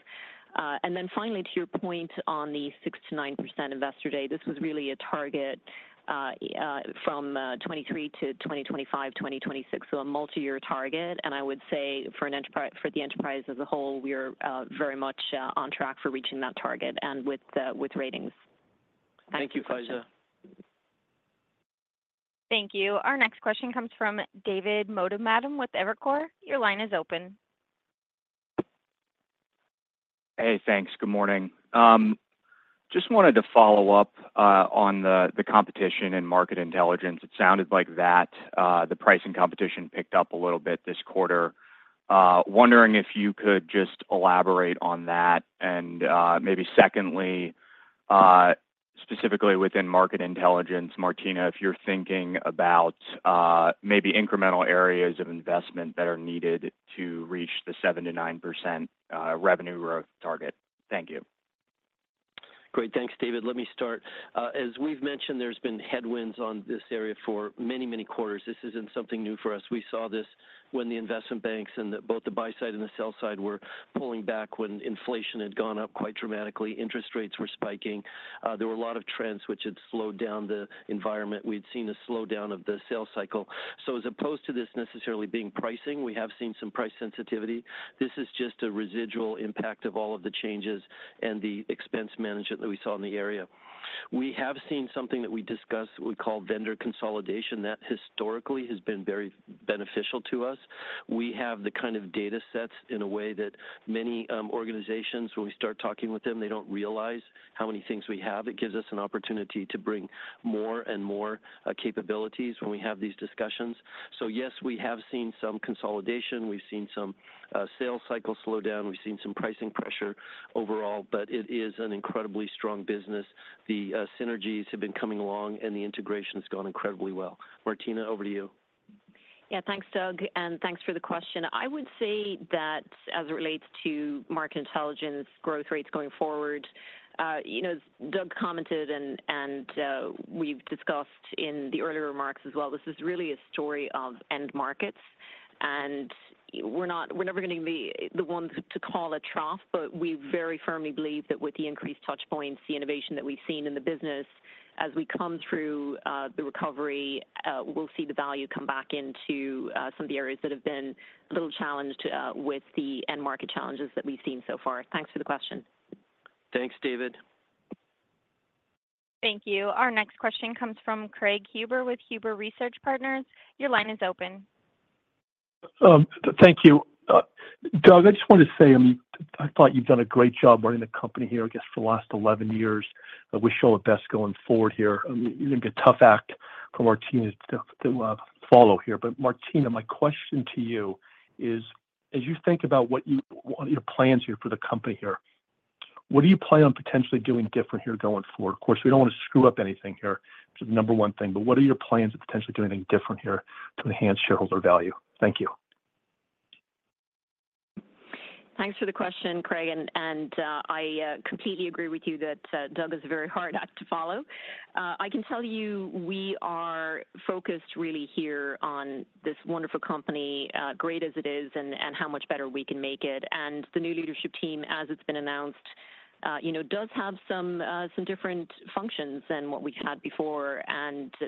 And then finally, to your point on the 6%-9% Investor Day, this was really a target from 2023 to 2025, 2026, so a multi-year target. I would say for the enterprise as a whole, we are very much on track for reaching that target and with Ratings. Thank you, Faiza.... Thank you. Our next question comes from David Motemaden with Evercore. Your line is open. Hey, thanks. Good morning. Just wanted to follow up on the competition and Market Intelligence. It sounded like that the pricing competition picked up a little bit this quarter. Wondering if you could just elaborate on that. And maybe secondly, specifically within Market Intelligence, Martina, if you're thinking about maybe incremental areas of investment that are needed to reach the 7%-9% revenue growth target. Thank you. Great. Thanks, David. Let me start. As we've mentioned, there's been headwinds on this area for many, many quarters. This isn't something new for us. We saw this when the investment banks and both the buy side and the sell side were pulling back when inflation had gone up quite dramatically. Interest rates were spiking. There were a lot of trends which had slowed down the environment. We'd seen a slowdown of the sales cycle. So as opposed to this necessarily being pricing, we have seen some price sensitivity. This is just a residual impact of all of the changes and the expense management that we saw in the area. We have seen something that we discuss, we call vendor consolidation, that historically has been very beneficial to us. We have the kind of data sets in a way that many organizations, when we start talking with them, they don't realize how many things we have. It gives us an opportunity to bring more and more capabilities when we have these discussions. So yes, we have seen some consolidation, we've seen some sales cycle slowdown, we've seen some pricing pressure overall, but it is an incredibly strong business. The synergies have been coming along, and the integration has gone incredibly well. Martina, over to you. Yeah. Thanks, Doug, and thanks for the question. I would say that as it relates to Market Intelligence growth rates going forward, you know, as Doug commented and we've discussed in the earlier remarks as well, this is really a story of end markets, and we're not – we're never gonna be the ones to call a trough, but we very firmly believe that with the increased touch points, the innovation that we've seen in the business, as we come through the recovery, we'll see the value come back into some of the areas that have been a little challenged with the end market challenges that we've seen so far. Thanks for the question. Thanks, David. Thank you. Our next question comes from Craig Huber with Huber Research Partners. Your line is open. Thank you. Doug, I just wanted to say, I mean, I thought you've done a great job running the company here, I guess, for the last eleven years. I wish you all the best going forward here. I mean, you're gonna be a tough act for Martina to follow here. But Martina, my question to you is: as you think about what you want your plans here for the company here, what do you plan on potentially doing different here going forward? Of course, we don't want to screw up anything here, which is the number one thing, but what are your plans to potentially do anything different here to enhance shareholder value? Thank you. Thanks for the question, Craig, and I completely agree with you that Doug is a very hard act to follow. I can tell you we are focused really here on this wonderful company, great as it is, and how much better we can make it. The new leadership team, as it's been announced, you know, does have some different functions than what we had before.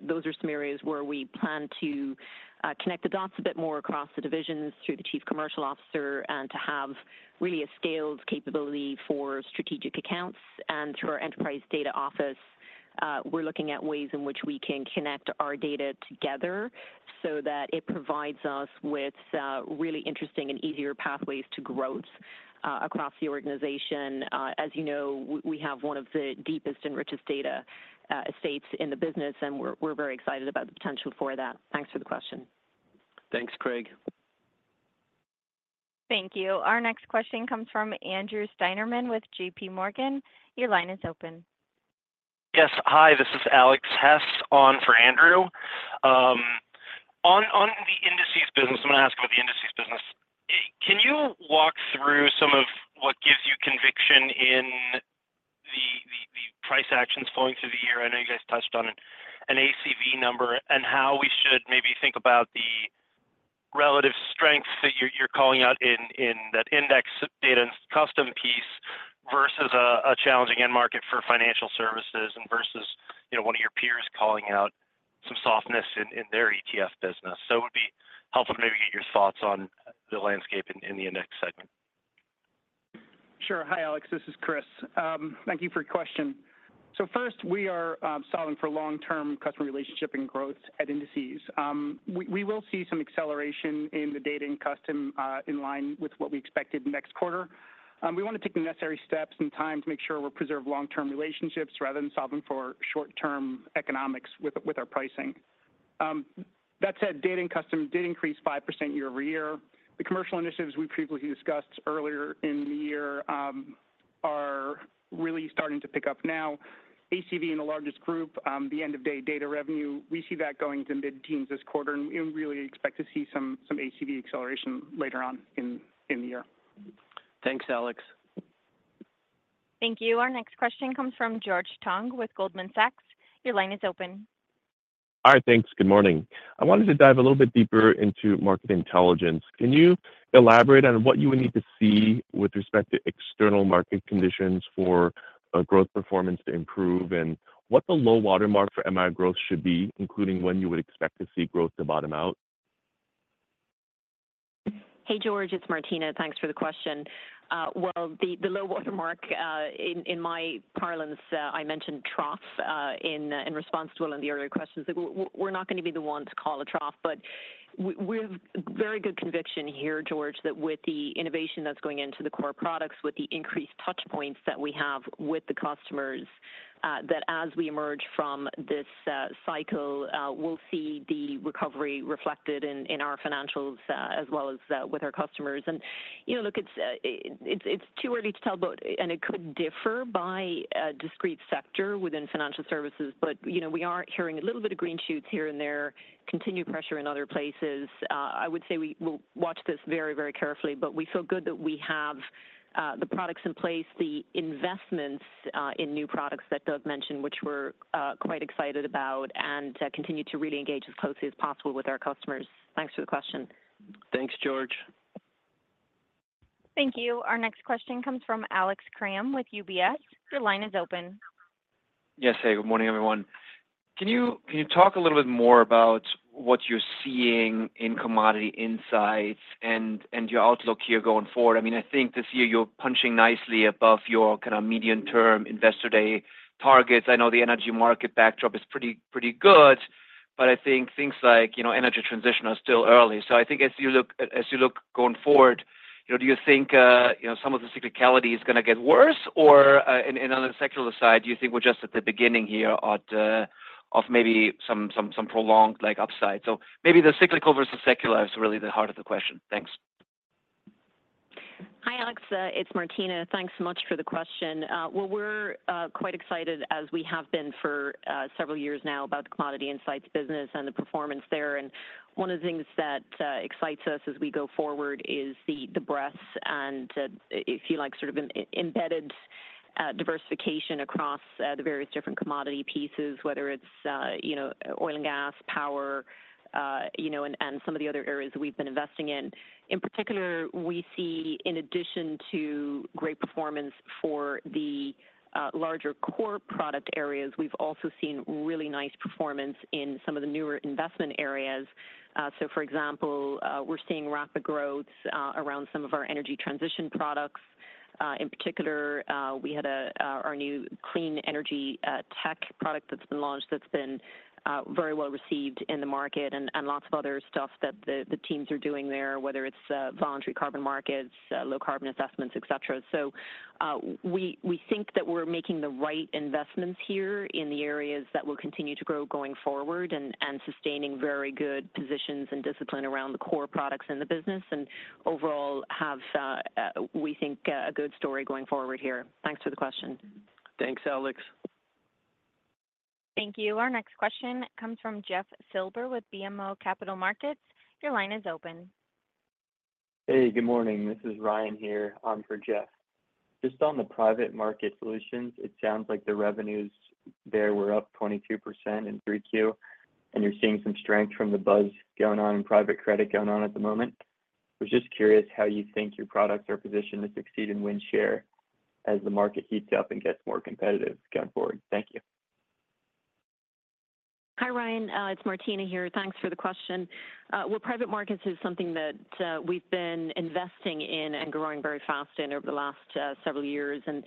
Those are some areas where we plan to connect the dots a bit more across the divisions, through the Chief Commercial Officer, and to have really a scaled capability for strategic accounts. Through our Enterprise Data Office, we're looking at ways in which we can connect our data together so that it provides us with really interesting and easier pathways to growth, across the organization. As you know, we have one of the deepest and richest data estates in the business, and we're very excited about the potential for that. Thanks for the question. Thanks, Craig. Thank you. Our next question comes from Andrew Steinerman with J.P. Morgan. Your line is open. Yes. Hi, this is Alex Hess, on for Andrew. On the Indices business, I'm gonna ask about the Indices business. Can you walk through some of what gives you conviction in the price actions flowing through the year? I know you guys touched on an ACV number, and how we should maybe think about the relative strength that you're calling out in that index Data & Custom piece, versus a challenging end market for financial services, and versus, you know, one of your peers calling out some softness in their ETF business. So it would be helpful to maybe get your thoughts on the landscape in the index segment. Sure. Hi, Alex, this is Chris. Thank you for your question. So first, we are solving for long-term customer relationship and growth at Indices. We will see some acceleration in the Data & Custom in line with what we expected next quarter. We want to take the necessary steps and time to make sure we preserve long-term relationships rather than solving for short-term economics with our pricing. That said, Data & Custom did increase 5% year-over-year. The commercial initiatives we previously discussed earlier in the year are really starting to pick up now. ACV in the largest group, the end-of-day data revenue, we see that going to mid-teens this quarter, and we really expect to see some ACV acceleration later on in the year. Thanks, Alex. Thank you. Our next question comes from George Tong with Goldman Sachs. Your line is open. All right. Thanks. Good morning. I wanted to dive a little bit deeper into Market Intelligence. Can you elaborate on what you would need to see with respect to external market conditions for a growth performance to improve, and what the low water mark for MI growth should be, including when you would expect to see growth to bottom out?... Hey, George, it's Martina. Thanks for the question. Well, the low water mark in my parlance, I mentioned trough in response to one of the earlier questions. We're not going to be the one to call a trough, but we have very good conviction here, George, that with the innovation that's going into the core products, with the increased touch points that we have with the customers, that as we emerge from this cycle, we'll see the recovery reflected in our financials as well as with our customers. And, you know, look, it's too early to tell, but and it could differ by a discrete sector within financial services. But, you know, we are hearing a little bit of green shoots here and there, continued pressure in other places. I would say we will watch this very, very carefully, but we feel good that we have the products in place, the investments in new products that Doug mentioned, which we're quite excited about, and continue to really engage as closely as possible with our customers. Thanks for the question. Thanks, George. Thank you. Our next question comes from Alex Kramm with UBS. Your line is open. Yes. Hey, good morning, everyone. Can you talk a little bit more about what you're seeing in Commodity Insights and your outlook here going forward? I mean, I think this year you're punching nicely above your kind of medium-term Investor Day targets. I know the energy market backdrop is pretty good, but I think things like, you know, energy transition are still early. So I think as you look going forward, you know, do you think some of the cyclicality is gonna get worse? Or, and on the secular side, do you think we're just at the beginning here of maybe some prolonged like, upside? So maybe the cyclical versus secular is really the heart of the question. Thanks. Hi, Alex, it's Martina. Thanks so much for the question. Well, we're quite excited, as we have been for several years now, about the Commodity Insights business and the performance there, and one of the things that excites us as we go forward is the breadth and, if you like, sort of an embedded diversification across the various different commodity pieces, whether it's you know, oil and gas, power, you know, and some of the other areas we've been investing in. In particular, we see, in addition to great performance for the larger core product areas, we've also seen really nice performance in some of the newer investment areas, so for example, we're seeing rapid growth around some of our energy transition products. In particular, we had our new Clean Energy Tech product that's been launched, that's been very well received in the market and lots of other stuff that the teams are doing there, whether it's voluntary carbon markets, low carbon assessments, et cetera. So, we think that we're making the right investments here in the areas that will continue to grow going forward and sustaining very good positions and discipline around the core products in the business, and overall have, we think, a good story going forward here. Thanks for the question. Thanks, Alex. Thank you. Our next question comes from Jeff Silber with BMO Capital Markets. Your line is open. Hey, good morning. This is Ryan here on for Jeff. Just on the Private Market Solutions, it sounds like the revenues there were up 22% in 3Q, and you're seeing some strength from the buzz going on in private credit going on at the moment. I was just curious how you think your products are positioned to succeed and win share as the market heats up and gets more competitive going forward. Thank you. Hi, Ryan, it's Martina here. Thanks for the question. Well, private markets is something that we've been investing in and growing very fast in over the last several years, and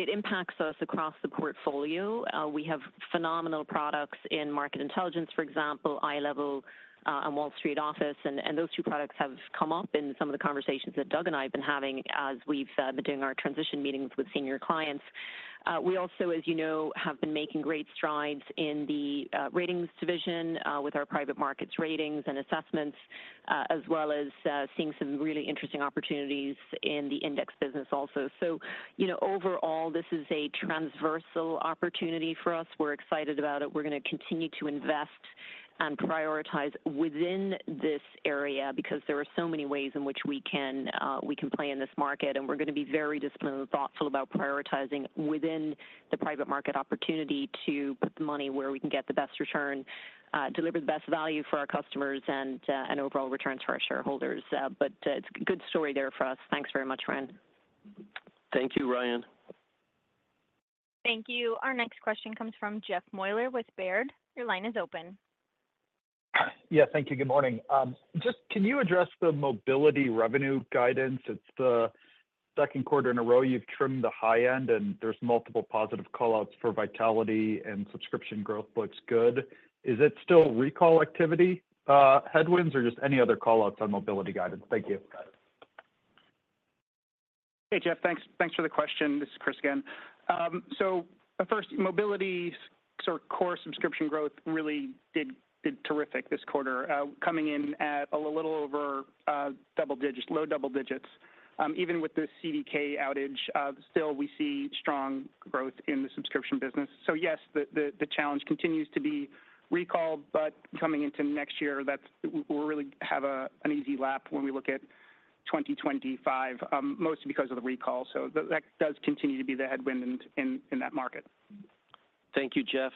it impacts us across the portfolio. We have phenomenal products in Market Intelligence, for example, iLevel, and Wall Street Office. And those two products have come up in some of the conversations that Doug and I have been having as we've been doing our transition meetings with senior clients. We also, as you know, have been making great strides in the Ratings division with our private markets Ratings and assessments, as well as seeing some really interesting opportunities in the index business also. So, you know, overall, this is a transversal opportunity for us. We're excited about it. We're gonna continue to invest and prioritize within this area because there are so many ways in which we can play in this market. And we're gonna be very disciplined and thoughtful about prioritizing within the private market opportunity to put the money where we can get the best return, deliver the best value for our customers, and overall returns for our shareholders. But it's a good story there for us. Thanks very much, Ryan. Thank you, Ryan. Thank you. Our next question comes from Jeff Meuler with Baird. Your line is open. Yeah, thank you. Good morning. Just can you address the Mobility revenue guidance? It's the second quarter in a row you've trimmed the high end, and there's multiple positive call-outs for vitality and subscription growth looks good. Is it still recall activity, headwinds, or just any other call-outs on Mobility guidance? Thank you. Hey, Jeff, thanks for the question. This is Chris again. So first, Mobility sort of core subscription growth really did terrific this quarter, coming in at a little over double digits, low double digits. Even with the CDK outage, still, we see strong growth in the subscription business. So yes, the challenge continues to be recall, but coming into next year, that's we'll really have an easy lap when we look at 2025, mostly because of the recall. So that does continue to be the headwind in that market. Thank you, Jeff.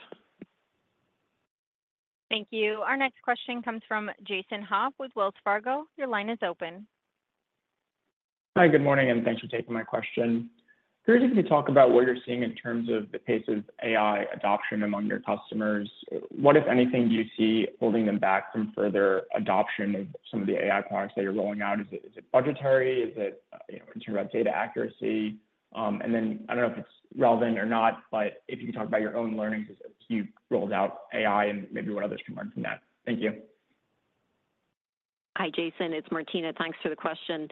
Thank you. Our next question comes from Jason Haas with Wells Fargo. Your line is open.... Hi, good morning, and thanks for taking my question. Curious if you could talk about what you're seeing in terms of the pace of AI adoption among your customers. What, if anything, do you see holding them back from further adoption of some of the AI products that you're rolling out? Is it budgetary? Is it, you know, in terms of data accuracy? And then I don't know if it's relevant or not, but if you could talk about your own learnings as you rolled out AI and maybe what others can learn from that. Thank you. Hi, Jason. It's Martina. Thanks for the question.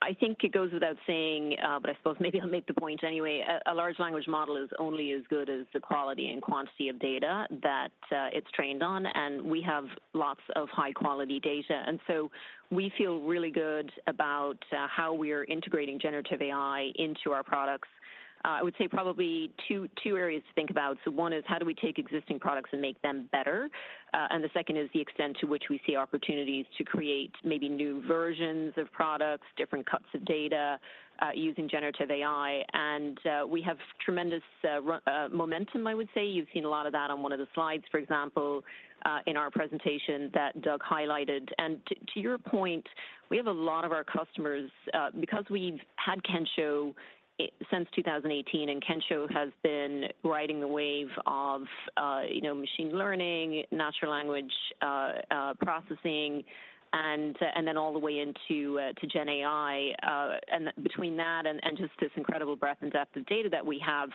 I think it goes without saying, but I suppose maybe I'll make the point anyway. A large language model is only as good as the quality and quantity of data that it's trained on, and we have lots of high-quality data, and so we feel really good about how we're integrating generative AI into our products. I would say probably two areas to think about. So one is, how do we take existing products and make them better? And the second is the extent to which we see opportunities to create maybe new versions of products, different cuts of data, using generative AI. And we have tremendous momentum, I would say. You've seen a lot of that on one of the slides, for example, in our presentation that Doug highlighted. And to your point, we have a lot of our customers, because we've had Kensho since 2018, and Kensho has been riding the wave of, you know, machine learning, natural language, processing, and then all the way into GenAI. And between that and just this incredible breadth and depth of data that we have,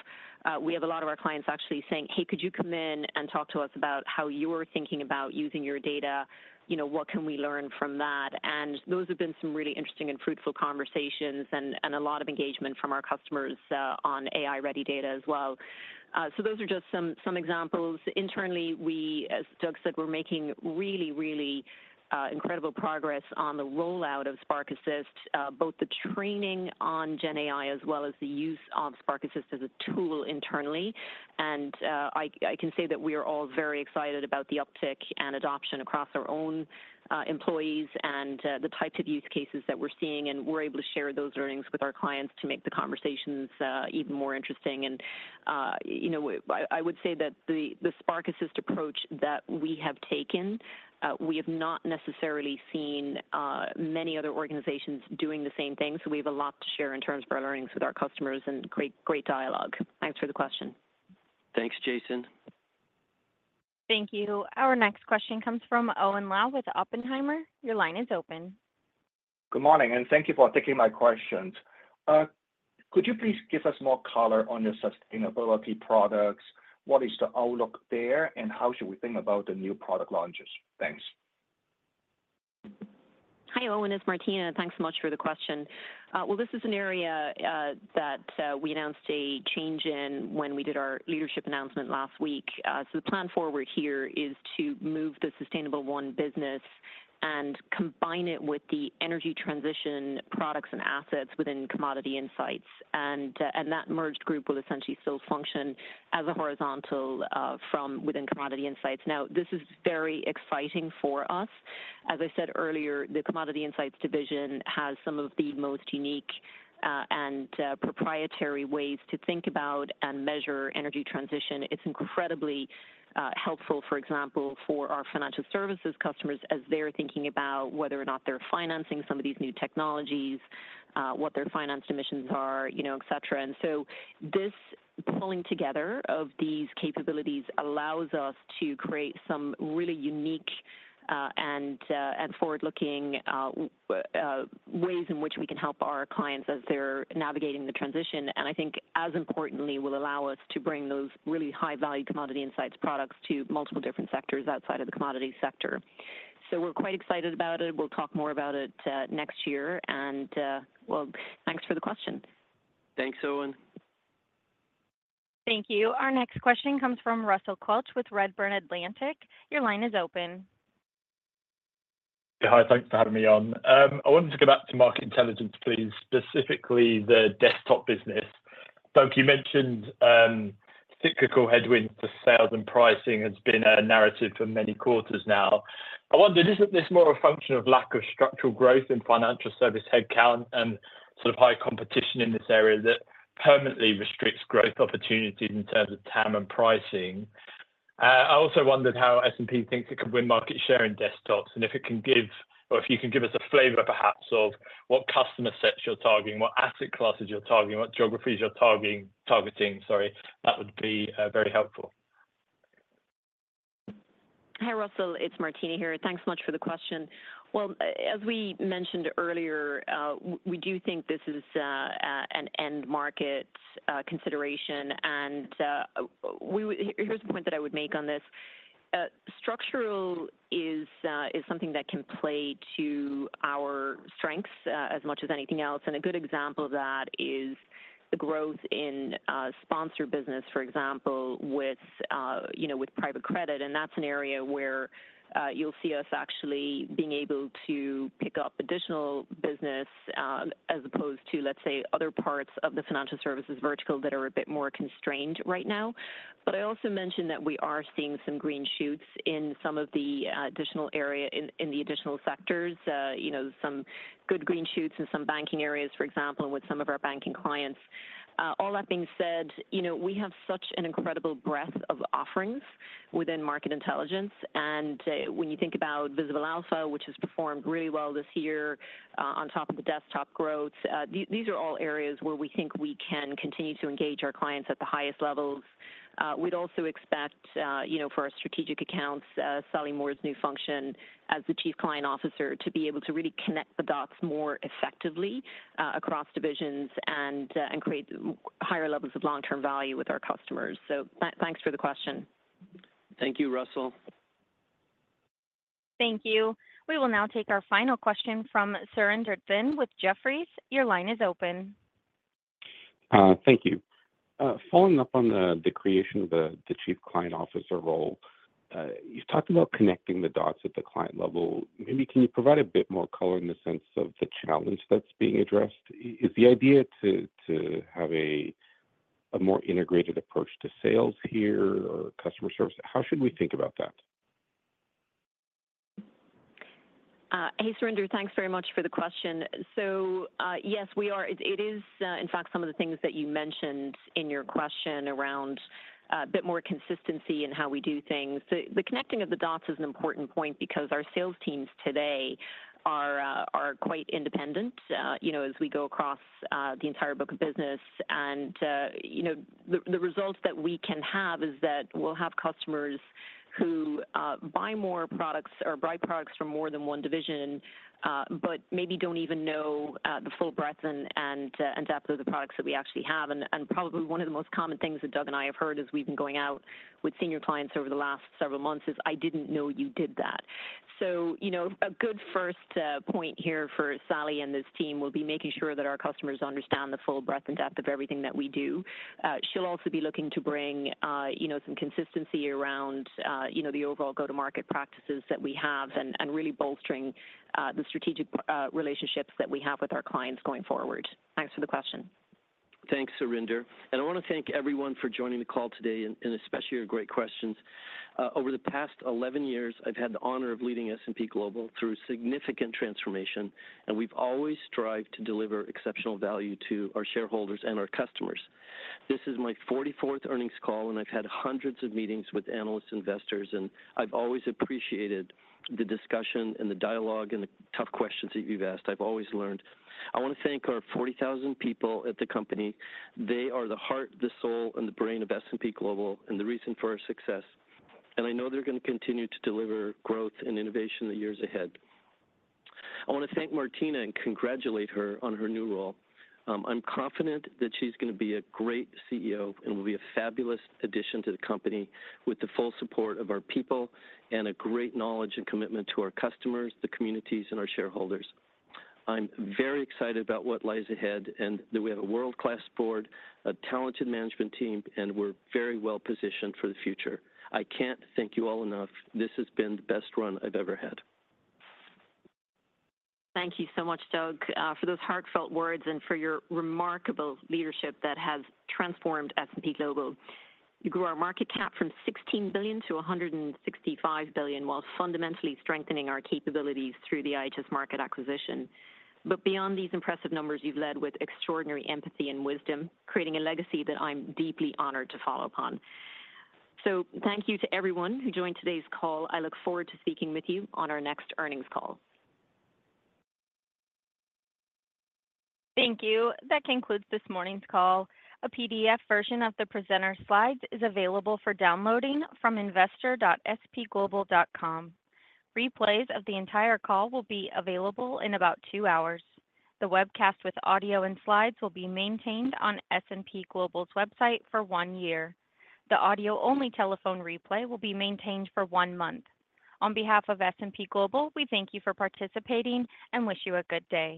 we have a lot of our clients actually saying, "Hey, could you come in and talk to us about how you're thinking about using your data? You know, what can we learn from that?" And those have been some really interesting and fruitful conversations and a lot of engagement from our customers on AI-ready data as well. So those are just some examples. Internally, we, as Doug said, we're making really incredible progress on the rollout of Spark Assist, both the training on GenAI as well as the use of Spark Assist as a tool internally. And I can say that we are all very excited about the uptick and adoption across our own employees and the types of use cases that we're seeing, and we're able to share those learnings with our clients to make the conversations even more interesting. And you know, I would say that the Spark Assist approach that we have taken, we have not necessarily seen many other organizations doing the same thing. So we have a lot to share in terms of our learnings with our customers and great dialogue. Thanks for the question. Thanks, Jason. Thank you. Our next question comes from Owen Lau with Oppenheimer. Your line is open. Good morning, and thank you for taking my questions. Could you please give us more color on your sustainability products? What is the outlook there, and how should we think about the new product launches? Thanks. Hi, Owen. It's Martina. Thanks so much for the question. Well, this is an area that we announced a change in when we did our leadership announcement last week. So the plan forward here is to move the Sustainable1 business and combine it with the energy transition products and assets within Commodity Insights. And that merged group will essentially still function as a horizontal from within Commodity Insights. Now, this is very exciting for us. As I said earlier, the Commodity Insights division has some of the most unique and proprietary ways to think about and measure energy transition. It's incredibly helpful, for example, for our financial services customers, as they're thinking about whether or not they're financing some of these new technologies, what their financed emissions are, you know, et cetera. And so this pulling together of these capabilities allows us to create some really unique and forward-looking ways in which we can help our clients as they're navigating the transition, and I think as importantly, will allow us to bring those really high-value Commodity Insights products to multiple different sectors outside of the commodity sector. So we're quite excited about it. We'll talk more about it next year. And well, thanks for the question. Thanks, Owen. Thank you. Our next question comes from Russell Quelch with Redburn Atlantic. Your line is open. Hi, thanks for having me on. I wanted to go back to Market Intelligence, please, specifically the desktop business. Doug, you mentioned cyclical headwinds for sales and pricing has been a narrative for many quarters now. I wonder, isn't this more a function of lack of structural growth in financial service headcount and sort of high competition in this area that permanently restricts growth opportunities in terms of TAM and pricing? I also wondered how S&P thinks it could win market share in desktops, and if it can give-- or if you can give us a flavor, perhaps, of what customer sets you're targeting, what asset classes you're targeting, what geographies you're targeting, sorry. That would be very helpful. Hi, Russell. It's Martina here. Thanks so much for the question. As we mentioned earlier, we do think this is an end market consideration, and here's the point that I would make on this. Structural is something that can play to our strengths, as much as anything else, and a good example of that is the growth in sponsor business, for example, with, you know, with private credit, and that's an area where you'll see us actually being able to pick up additional business, as opposed to, let's say, other parts of the financial services vertical that are a bit more constrained right now. But I also mentioned that we are seeing some green shoots in some of the additional area, in the additional sectors. You know, some good green shoots in some banking areas, for example, and with some of our banking clients. All that being said, you know, we have such an incredible breadth of offerings within Market Intelligence, and when you think about Visible Alpha, which has performed really well this year, on top of the desktop growth, these are all areas where we think we can continue to engage our clients at the highest levels. We'd also expect, you know, for our strategic accounts, Sally Moore's new function as the Chief Client Officer, to be able to really connect the dots more effectively across divisions and create higher levels of long-term value with our customers. So thanks for the question. Thank you, Russell. Thank you. We will now take our final question from Surinder Thind with Jefferies. Your line is open. Thank you. Following up on the creation of the Chief Client Officer role, you've talked about connecting the dots at the client level. Maybe can you provide a bit more color in the sense of the challenge that's being addressed? Is the idea to have a more integrated approach to sales here or customer service? How should we think about that? Hey, Surinder. Thanks very much for the question. So, yes, we are. It is, in fact, some of the things that you mentioned in your question around a bit more consistency in how we do things. The connecting of the dots is an important point because our sales teams today are quite independent, you know, as we go across the entire book of business. And, you know, the results that we can have is that we'll have customers who buy more products or buy products from more than one division, but maybe don't even know the full breadth and depth of the products that we actually have. Probably one of the most common things that Doug and I have heard as we've been going out with senior clients over the last several months is, "I didn't know you did that." So, you know, a good first point here for Sally and this team will be making sure that our customers understand the full breadth and depth of everything that we do. She'll also be looking to bring you know, some consistency around you know, the overall go-to-market practices that we have and really bolstering the strategic relationships that we have with our clients going forward. Thanks for the question. Thanks, Surinder, and I want to thank everyone for joining the call today and especially your great questions. Over the past eleven years, I've had the honor of leading S&P Global through significant transformation, and we've always strived to deliver exceptional value to our shareholders and our customers. This is my 44 earnings call, and I've had hundreds of meetings with analyst investors, and I've always appreciated the discussion and the dialogue and the tough questions that you've asked. I've always learned. I want to thank our 40,000 people at the company. They are the heart, the soul, and the brain of S&P Global and the reason for our success, and I know they're going to continue to deliver growth and innovation in the years ahead. I want to thank Martina and congratulate her on her new role. I'm confident that she's going to be a great CEO and will be a fabulous addition to the company with the full support of our people and a great knowledge and commitment to our customers, the communities, and our shareholders. I'm very excited about what lies ahead, and that we have a world-class board, a talented management team, and we're very well positioned for the future. I can't thank you all enough. This has been the best run I've ever had. Thank you so much, Doug, for those heartfelt words and for your remarkable leadership that has transformed S&P Global. You grew our market cap from 16 billion to 165 billion, while fundamentally strengthening our capabilities through the IHS Markit acquisition. But beyond these impressive numbers, you've led with extraordinary empathy and wisdom, creating a legacy that I'm deeply honored to follow upon. So thank you to everyone who joined today's call. I look forward to speaking with you on our next earnings call. Thank you. That concludes this morning's call. A PDF version of the presenter slides is available for downloading from investor.spglobal.com. Replays of the entire call will be available in about two hours. The webcast with audio and slides will be maintained on S&P Global's website for one year. The audio-only telephone replay will be maintained for one month. On behalf of S&P Global, we thank you for participating and wish you a good day.